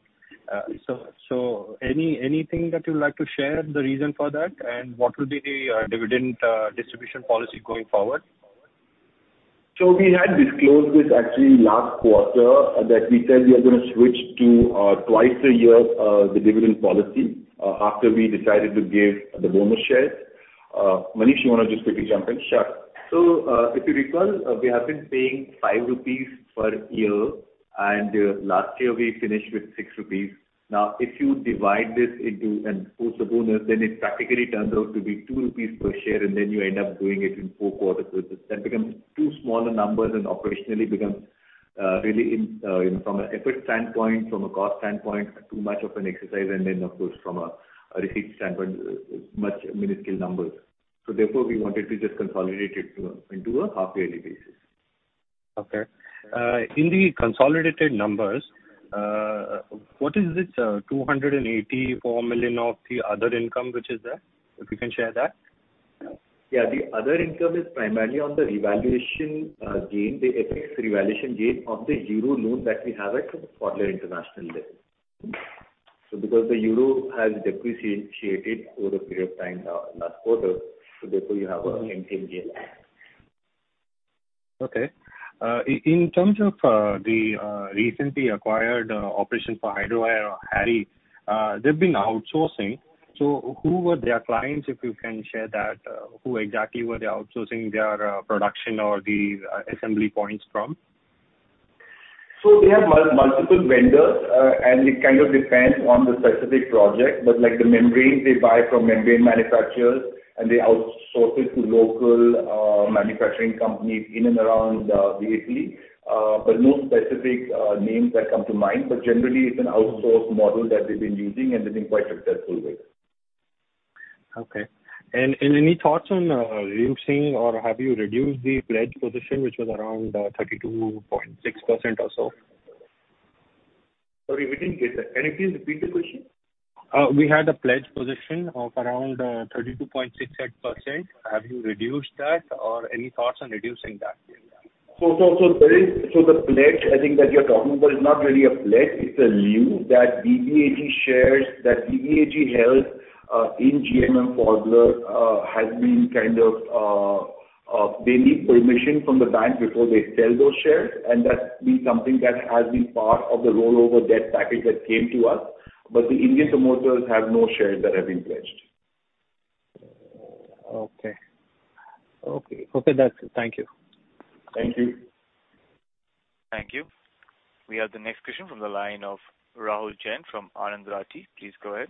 So anything that you would like to share the reason for that? And what will be the dividend distribution policy going forward? We had disclosed this actually last quarter, that we said we are gonna switch to twice a year, the dividend policy, after we decided to give the bonus shares. Manish, you wanna just quickly jump in? Sure. If you recall, we have been paying 5 rupees per year, and last year we finished with 6 rupees. Now, if you divide this into two and post the bonus, then it practically turns out to be 2 rupees per share, and then you end up doing it in 4 quarters. That becomes too small a number and operationally becomes really, you know, from an effort standpoint, from a cost standpoint, too much of an exercise, and then of course from a recipient standpoint, very minuscule numbers. We wanted to just consolidate it into a half yearly basis. Okay. In the consolidated numbers, what is this 284 million of the other income which is there? If you can share that. The other income is primarily on the revaluation gain, the FX revaluation gain of the euro loan that we have at Pfaudler International there. Because the euro has depreciated over a period of time now last quarter, so therefore you have a gain there. In terms of the recently acquired operation for Hydro Air or Hydro Air Research Italia, they've been outsourcing. Who were their clients, if you can share that? Who exactly were they outsourcing their production or the assembly points from? They have multiple vendors, and it kind of depends on the specific project. Like the membranes they buy from membrane manufacturers and they outsource it to local manufacturing companies in and around Milan. No specific names that come to mind. Generally it's an outsourced model that they've been using, and they've been quite successful with it. Okay. Any thoughts on reducing or have you reduced the pledge position which was around 32.6% or so? Sorry, we didn't get that. Can you please repeat the question? We had a pledge position of around 32.68%. Have you reduced that or any thoughts on reducing that? The pledge I think that you're talking about is not really a pledge. It's a lien on the DBAG shares that DBAG held in GMM Pfaudler. They need permission from the bank before they sell those shares. That's been something that has been part of the rollover debt package that came to us. The Indian promoters have no shares that have been pledged. Okay, that's it. Thank you. Thank you. Thank you. We have the next question from the line of Rahul Jain from Anand Rathi. Please go ahead.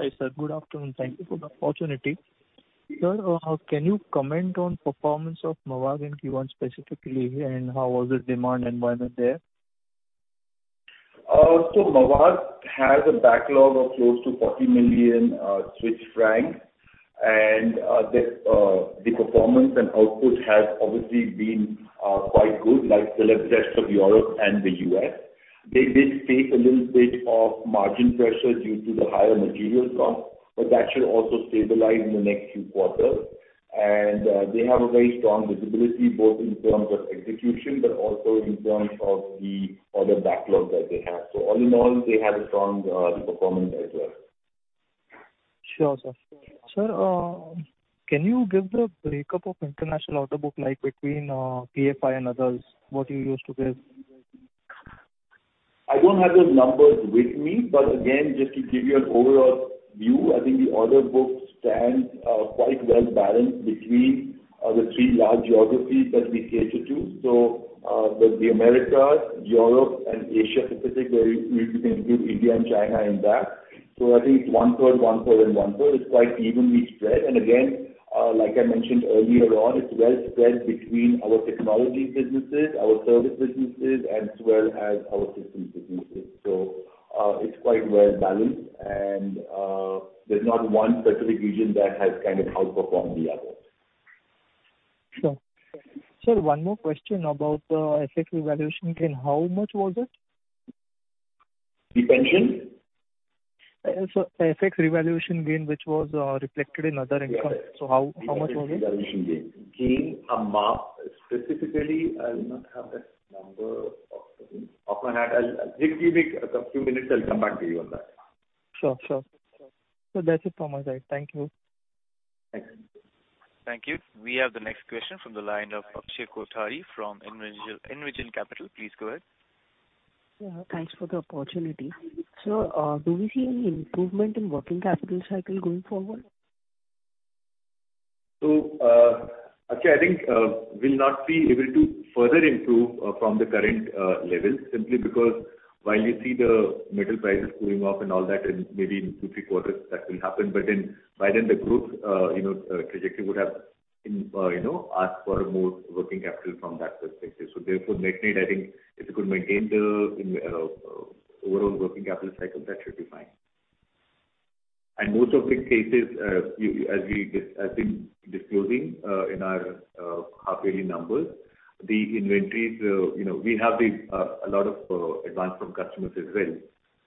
Hi, sir. Good afternoon. Thank you for the opportunity. Sir, can you comment on performance of Mavag in Q1 specifically, and how was the demand environment there? Mavag has a backlog of close to 40 million francs. The performance and output has obviously been quite good, like the rest of Europe and the US. They did face a little bit of margin pressure due to the higher material costs, but that should also stabilize in the next few quarters. They have a very strong visibility, both in terms of execution, but also in terms of the other backlog that they have. All in all, they had a strong performance as well. Sure, sir. Sir, can you give the break-up of international order book, like between, PFI and others, what you used to give? I don't have those numbers with me. Again, just to give you an overall view, I think the order book stands quite well balanced between the three large geographies that we cater to. The Americas, Europe, and Asia Pacific, where if you can include India and China in that. I think 1/3, 1/3, and 1/3. It's quite evenly spread. Again, like I mentioned earlier on, it's well spread between our technology businesses, our service businesses as well as our systems businesses. It's quite well balanced, and there's not one specific region that has kind of outperformed the other. Sure. Sir, one more question about the FX revaluation gain. How much was it? The pension? Sir, FX revaluation gain, which was reflected in other income. Yes, yes. How much was it? The FX revaluation gain or mark, specifically I do not have that number offhand. I'll just give me a few minutes, I'll come back to you on that. Sure, sure. That's it from my side. Thank you. Thanks. Thank you. We have the next question from the line of Akshay Kothari from Envision Capital. Please go ahead. Yeah, thanks for the opportunity. Sir, do we see any improvement in working capital cycle going forward? Akshay, I think we'll not be able to further improve from the current levels simply because while you see the metal prices going up and all that, and maybe in two, three quarters that will happen, but then by then the group's trajectory would have, you know, asked for more working capital from that perspective. Therefore net-net I think if you could maintain the overall working capital cycle, that should be fine. In most cases, as we've been disclosing in our half-yearly numbers, the inventories, you know, we have a lot of advance from customers as well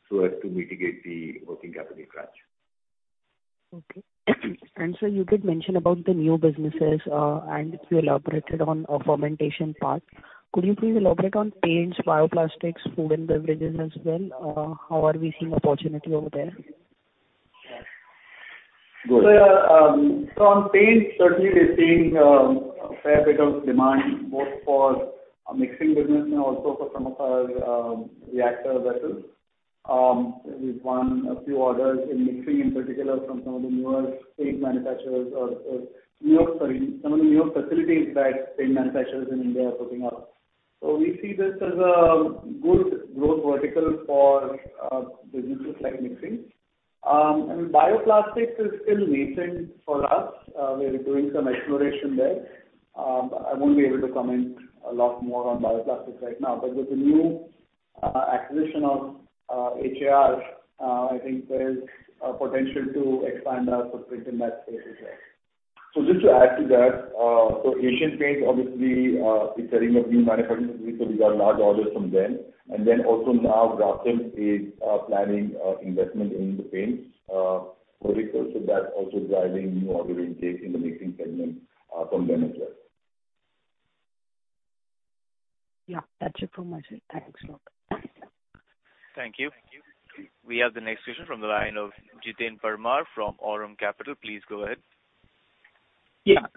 so as to mitigate the working capital crunch. Okay. Sir, you did mention about the new businesses, and you elaborated on a fermentation part. Could you please elaborate on paints, bioplastics, food and beverages as well, how are we seeing opportunity over there? Sure. Yeah, on paint, certainly we're seeing a fair bit of demand both for our mixing business and also for some of our reactor vessels. We've won a few orders in mixing, in particular, from some of the newer facilities that paint manufacturers in India are putting up. We see this as a good growth vertical for businesses like mixing. Bioplastics is still nascent for us. We're doing some exploration there. I won't be able to comment a lot more on bioplastics right now. With the new acquisition of HARI, I think there's a potential to expand our footprint in that space as well. Just to add to that, Asian Paints obviously is setting up new manufacturing facilities, so we got large orders from them. Grasim is planning investment into paints. That's also driving new order intake in the mixing segment from them as well. Yeah. That's it from my side. Thanks a lot. Thank you. We have the next question from the line of Jiten Parmar from Aurum Capital. Please go ahead. Yeah.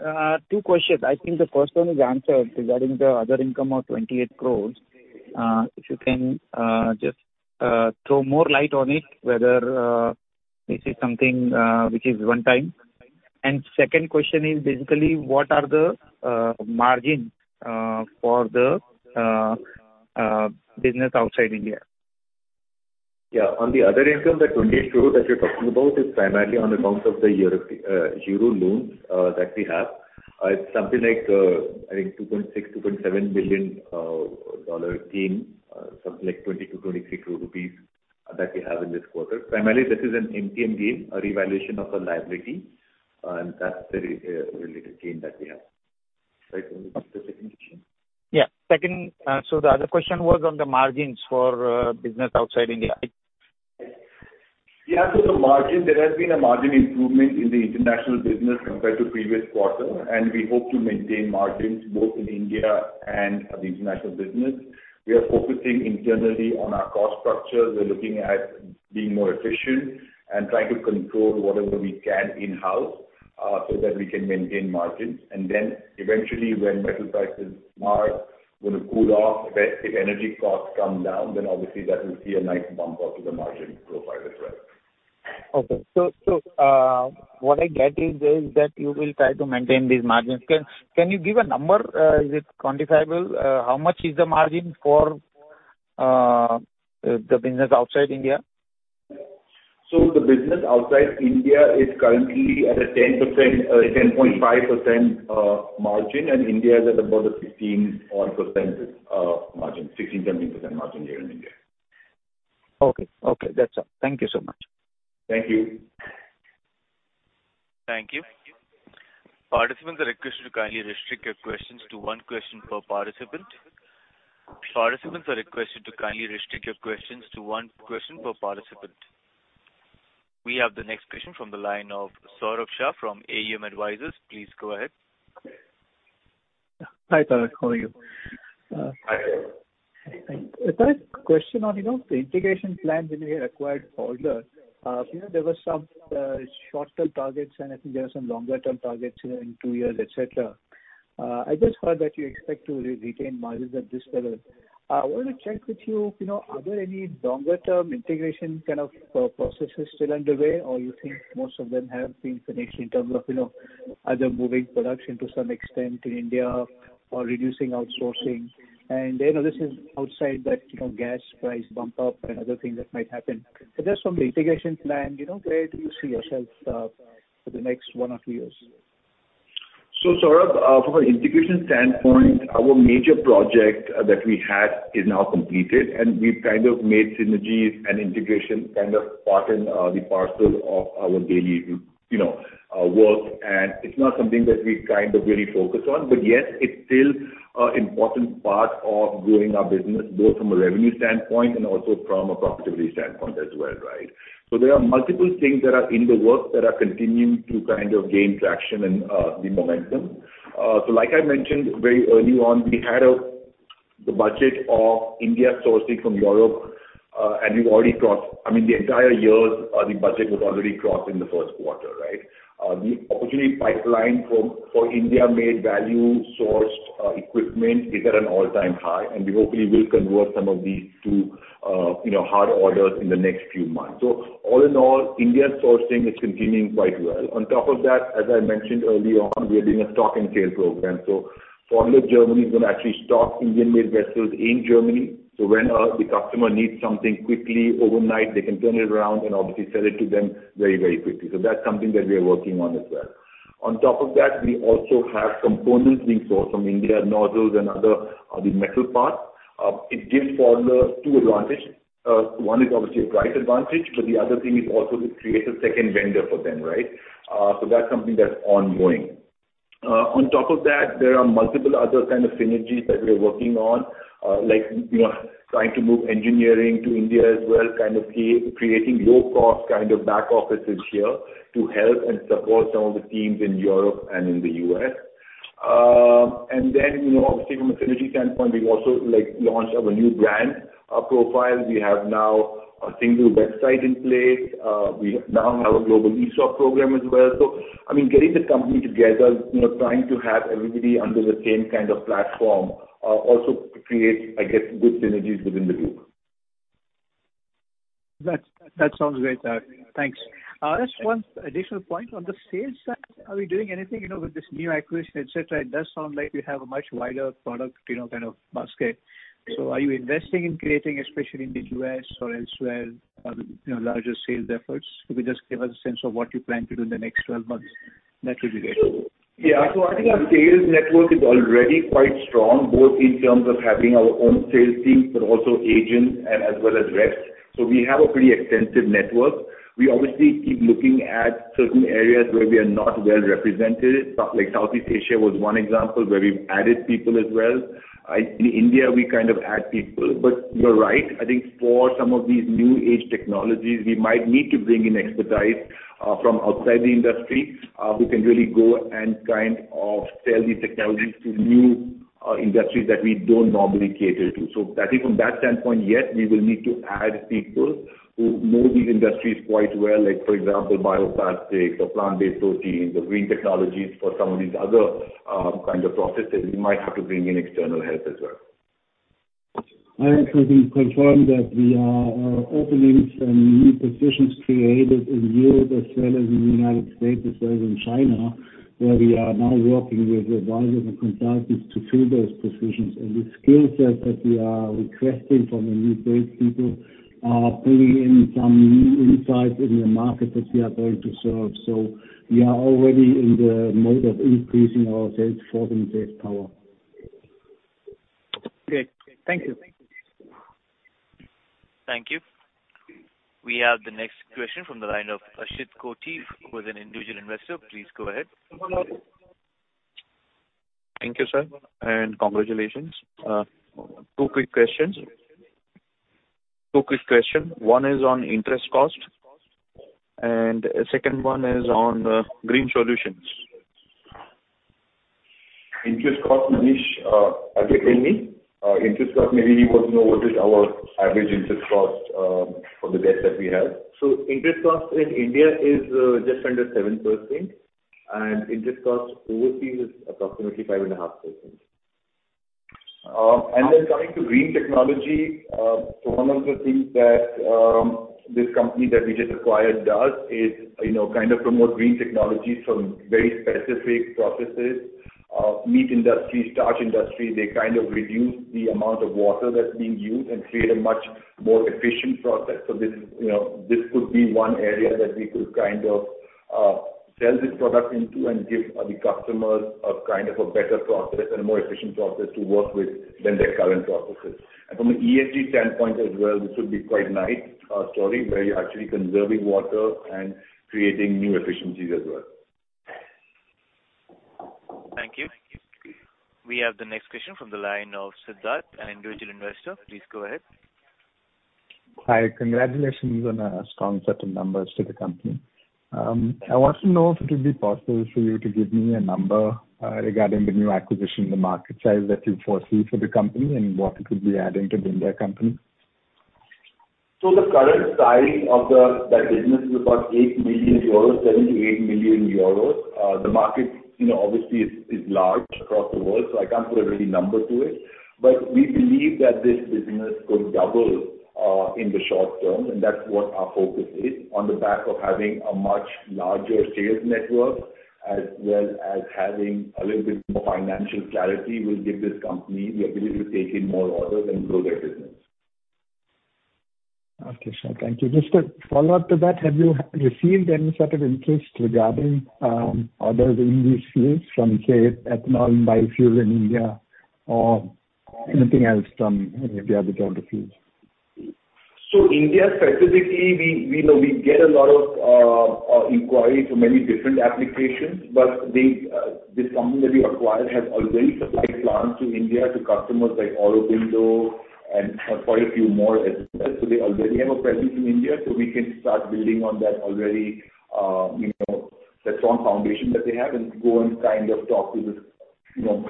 Two questions. I think the first one is answered regarding the other income of 28 crores. If you can just throw more light on it, whether this is something which is one time. Second question is basically what are the margin for the business outside India? Yeah. On the other income, the 28 crore that you're talking about is primarily on account of the Euro loans that we have. It's something like, I think $2.6-$2.7 million dollar gain, something like 20-23 crore rupees that we have in this quarter. Primarily, this is an MTM gain, a revaluation of a liability, and that's the related gain that we have. Sorry, what was the second question? Yeah. Second, the other question was on the margins for business outside India. Yeah. The margin, there has been a margin improvement in the international business compared to previous quarter, and we hope to maintain margins both in India and the international business. We are focusing internally on our cost structure. We're looking at being more efficient and trying to control whatever we can in-house, so that we can maintain margins. Eventually, when metal prices are gonna cool off, if energy costs come down, then obviously that will see a nice bump up to the margin profile as well. Okay. What I get is that you will try to maintain these margins. Can you give a number? Is it quantifiable? How much is the margin for the business outside India? The business outside India is currently at a 10%, 10.5% margin, and India is at about a 15 odd percent margin, 16%-17% margin here in India. Okay. Okay. That's all. Thank you so much. Thank you. Thank you. Participants are requested to kindly restrict your questions to one question per participant. We have the next question from the line of Saurabh Shah from AUM Advisors. Please go ahead. Hi, Tarak. How are you? Hi. Tarak Patel, question on, you know, the integration plan when we acquired Pfaudler. You know, there were some short-term targets, and I think there are some longer term targets, you know, in two years, et cetera. I just heard that you expect to retain margins at this level. I want to check with you know, are there any longer-term integration kind of processes still underway? Or you think most of them have been finished in terms of, you know, either moving production to some extent in India or reducing outsourcing? You know, this is outside that, you know, gas price bump up and other things that might happen. Just from the integration plan, you know, where do you see yourself for the next one or two years? Saurabh Shah, from an integration standpoint, our major project that we had is now completed, and we've kind of made synergies and integration kind of part and the parcel of our daily, you know, work. It's not something that we kind of really focus on, but yes, it's still important part of growing our business, both from a revenue standpoint and also from a profitability standpoint as well, right? There are multiple things that are in the works that are continuing to kind of gain traction and the momentum. Like I mentioned very early on, we had the budget of inbound sourcing from Europe, and we've already crossed, I mean, the entire year's budget was already crossed in the first quarter, right? The opportunity pipeline for India-made value sourced equipment is at an all-time high, and we hopefully will convert some of these to, you know, hard orders in the next few months. All in all, India sourcing is continuing quite well. On top of that, as I mentioned early on, we are doing a stock and sale program. Pfaudler Germany is gonna actually stock Indian-made vessels in Germany. When the customer needs something quickly overnight, they can turn it around and obviously sell it to them very, very quickly. That's something that we are working on as well. On top of that, we also have components being sourced from India, nozzles and other the metal parts. It gives Pfaudler two advantages. One is obviously a price advantage, but the other thing is also it creates a second vendor for them, right? So that's something that's ongoing. On top of that, there are multiple other kind of synergies that we are working on, like, you know, trying to move engineering to India as well, kind of creating low-cost kind of back offices here to help and support some of the teams in Europe and in the US. You know, obviously from a synergy standpoint, we've also, like, launched our new brand, profile. We have now a single website in place. We now have a global e-shop program as well. I mean, getting the company together, you know, trying to have everybody under the same kind of platform, also creates, I guess, good synergies within the group. That sounds great. Thanks. Just one additional point. On the sales side, are we doing anything, you know, with this new acquisition, et cetera? It does sound like we have a much wider product, you know, kind of basket. So are you investing in creating, especially in the US or elsewhere, you know, larger sales efforts? If you could just give us a sense of what you plan to do in the next 12 months, that would be great. I think our sales network is already quite strong, both in terms of having our own sales team, but also agents and as well as reps. We have a pretty extensive network. We obviously keep looking at certain areas where we are not well represented. Like Southeast Asia was one example where we've added people as well. In India, we kind of add people. You're right. I think for some of these new age technologies, we might need to bring in expertise from outside the industry who can really go and kind of sell these technologies to new industries that we don't normally cater to. I think from that standpoint, yes, we will need to add people who know these industries quite well, like for example, bioplastics or plant-based proteins or green technologies. For some of these other, kind of processes, we might have to bring in external help as well. I actually can confirm that we are opening some new positions created in Europe as well as in the United States as well as in China, where we are now working with advisors and consultants to fill those positions. The skill set that we are requesting from the new sales people are bringing in some new insights in the markets that we are going to serve. We are already in the mode of increasing our sales force and sales power. Okay. Thank you. Thank you. We have the next question from the line of Harshit Kothari, who is an individual investor. Please go ahead. Thank you, sir, and congratulations. Two quick questions. One is on interest cost, and second one is on green solutions. Interest cost, Manish, tell me. Maybe he wants to know what is our average interest cost for the debt that we have. Interest cost in India is just under 7%, and interest cost overseas is approximately 5.5%. Coming to green technology, one of the things that this company that we just acquired does is, you know, kind of promote green technologies from very specific processes. Meat industry, starch industry, they kind of reduce the amount of water that's being used and create a much more efficient process. This, you know, this could be one area that we could kind of sell this product into and give the customers a kind of a better process and a more efficient process to work with than their current processes. From an ESG standpoint as well, this would be quite nice story where you're actually conserving water and creating new efficiencies as well. Thank you. We have the next question from the line of Siddharth, an individual investor. Please go ahead. Hi. Congratulations on a strong set of numbers to the company. I want to know if it will be possible for you to give me a number, regarding the new acquisition, the market size that you foresee for the company and what it could be adding to the India company? The current size of that business is about 8 million euros, 7 million-8 million euros. The market, obviously, is large across the world, so I can't put a real number to it. We believe that this business could double in the short term, and that's what our focus is. On the back of having a much larger sales network as well as having a little bit more financial clarity will give this company the ability to take in more orders and grow their business. Okay, sir. Thank you. Just a follow-up to that, have you received any sort of interest regarding other industries from, say, ethanol and biofuel in India or anything else from, maybe other geographies? India specifically, we know we get a lot of inquiries for many different applications. This company that we acquired has already supplied plants to India to customers like Aurobindo and quite a few more as well. They already have a presence in India, so we can start building on that already, you know, the strong foundation that they have and go and kind of talk to the, you know,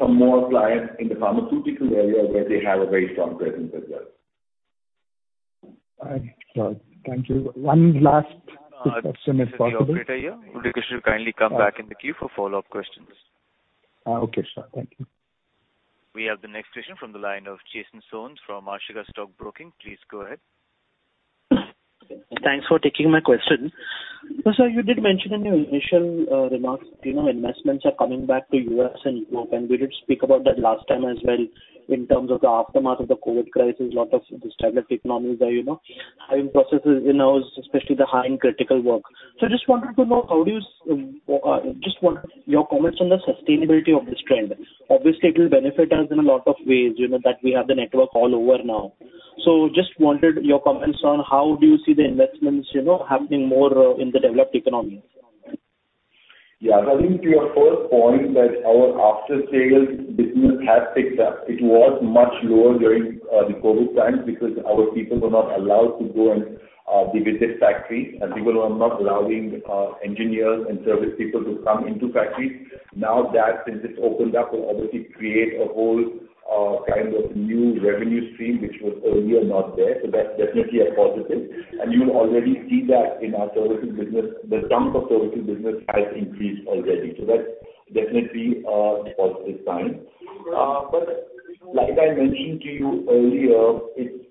some more clients in the pharmaceutical area where they have a very strong presence as well. All right, sir. Thank you. One last quick question, if possible. This is the operator here. Would you kindly come back in the queue for follow-up questions? Okay, sir. Thank you. We have the next question from the line of Jason Gonsalves from Ashika Stock Broking. Please go ahead. Thanks for taking my question. You did mention in your initial remarks, you know, investments are coming back to U.S. and Europe, and we did speak about that last time as well in terms of the aftermath of the COVID crisis. A lot of these developed economies are, you know, hiring processes, you know, especially the hiring critical work. I just wanted to know, just want your comments on the sustainability of this trend. Obviously, it will benefit us in a lot of ways, you know, that we have the network all over now. Just wanted your comments on how do you see the investments, you know, happening more in the developed economies? Yeah. Coming to your first point that our after-sales business has picked up, it was much lower during the COVID times because our people were not allowed to go and people were not allowing engineers and service people to come into factory. Now that since it's opened up will obviously create a whole kind of new revenue stream which was earlier not there. That's definitely a positive. You'll already see that in our services business. The chunk of services business has increased already, so that's definitely a positive sign. Like I mentioned to you earlier, it's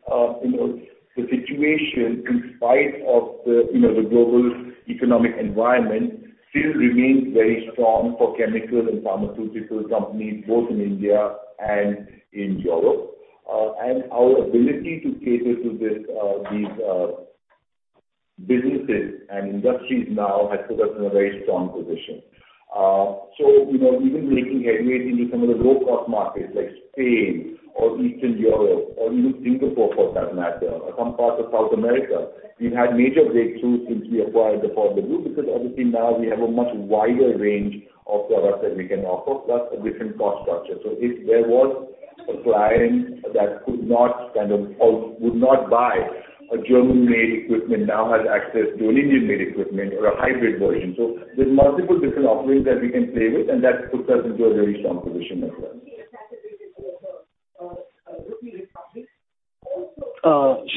you know, the situation in spite of the you know, the global economic environment still remains very strong for chemical and pharmaceutical companies both in India and in Europe. Our ability to cater to these businesses and industries now has put us in a very strong position. You know, even making headway into some of the low-cost markets like Spain or Eastern Europe or even Singapore for that matter, or some parts of South America, we've had major breakthroughs since we acquired the Pfaudler group because obviously now we have a much wider range of products that we can offer, plus a different cost structure. If there was a client that could not kind of or would not buy a German-made equipment now has access to an Indian-made equipment or a hybrid version. There's multiple different offerings that we can play with and that puts us into a very strong position as well.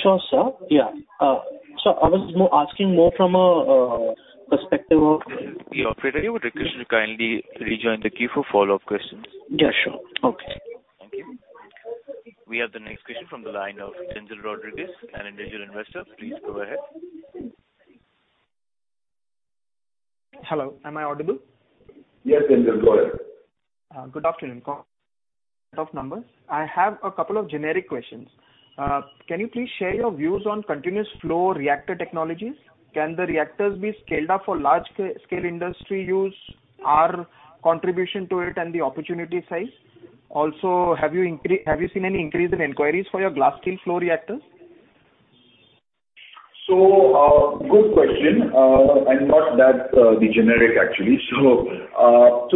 Sure, sir. I was asking more from a perspective of. This is the operator. I would request you to kindly rejoin the queue for follow-up questions. Yeah, sure. Okay. Thank you. We have the next question from the line of Denzel Rodriguez, an individual investor. Please go ahead. Hello. Am I audible? Yes, Denzel. Go ahead. Good afternoon. I have a couple of generic questions. Can you please share your views on continuous flow reactor technologies? Can the reactors be scaled up for large scale industry use? Your contribution to it and the opportunity size? Also, have you seen any increase in inquiries for your glass-lined flow reactors? Good question, and not that generic, actually.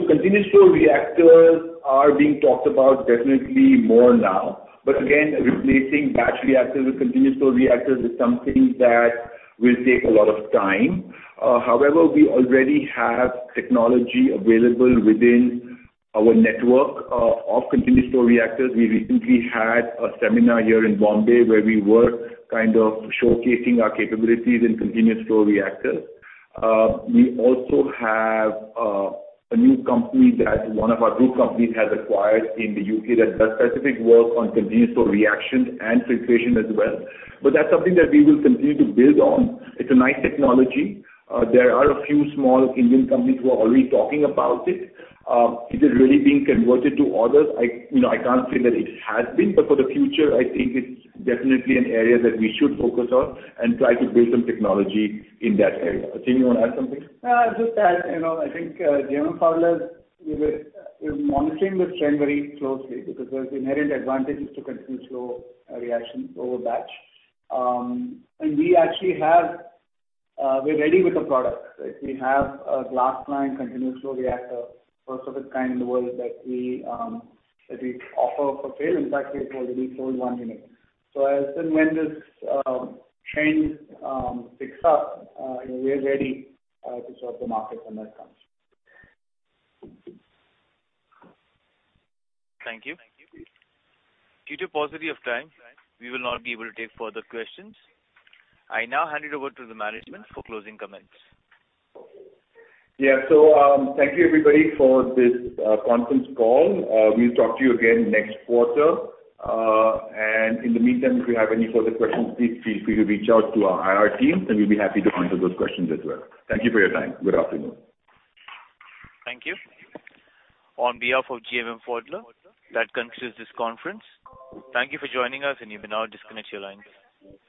Continuous flow reactors are being talked about definitely more now. Again, replacing batch reactors with continuous flow reactors is something that will take a lot of time. However, we already have technology available within our network of continuous flow reactors. We recently had a seminar here in Bombay where we were kind of showcasing our capabilities in continuous flow reactors. We also have a new company that one of our group companies has acquired in the UK that does specific work on continuous flow reaction and filtration as well. That's something that we will continue to build on. It's a nice technology. There are a few small Indian companies who are already talking about it. Is it really being converted to orders? You know, I can't say that it has been, but for the future, I think it's definitely an area that we should focus on and try to build some technology in that area. Aseem, you wanna add something? Just to add. You know, I think, GMM Pfaudler we're monitoring this trend very closely because there's inherent advantages to continuous flow reaction over batch. And we actually have, we're ready with the product, right? We have a glass-lined continuous flow reactor, first of its kind in the world that we offer for sale. In fact, we have already sold one unit. As and when this trend picks up, you know, we are ready to serve the market when that comes. Thank you. Due to paucity of time, we will not be able to take further questions. I now hand it over to the management for closing comments. Thank you everybody for this conference call. We'll talk to you again next quarter. In the meantime, if you have any further questions, please feel free to reach out to our IR team and we'll be happy to answer those questions as well. Thank you for your time. Good afternoon. Thank you. On behalf of GMM Pfaudler, that concludes this conference. Thank you for joining us, and you may now disconnect your lines.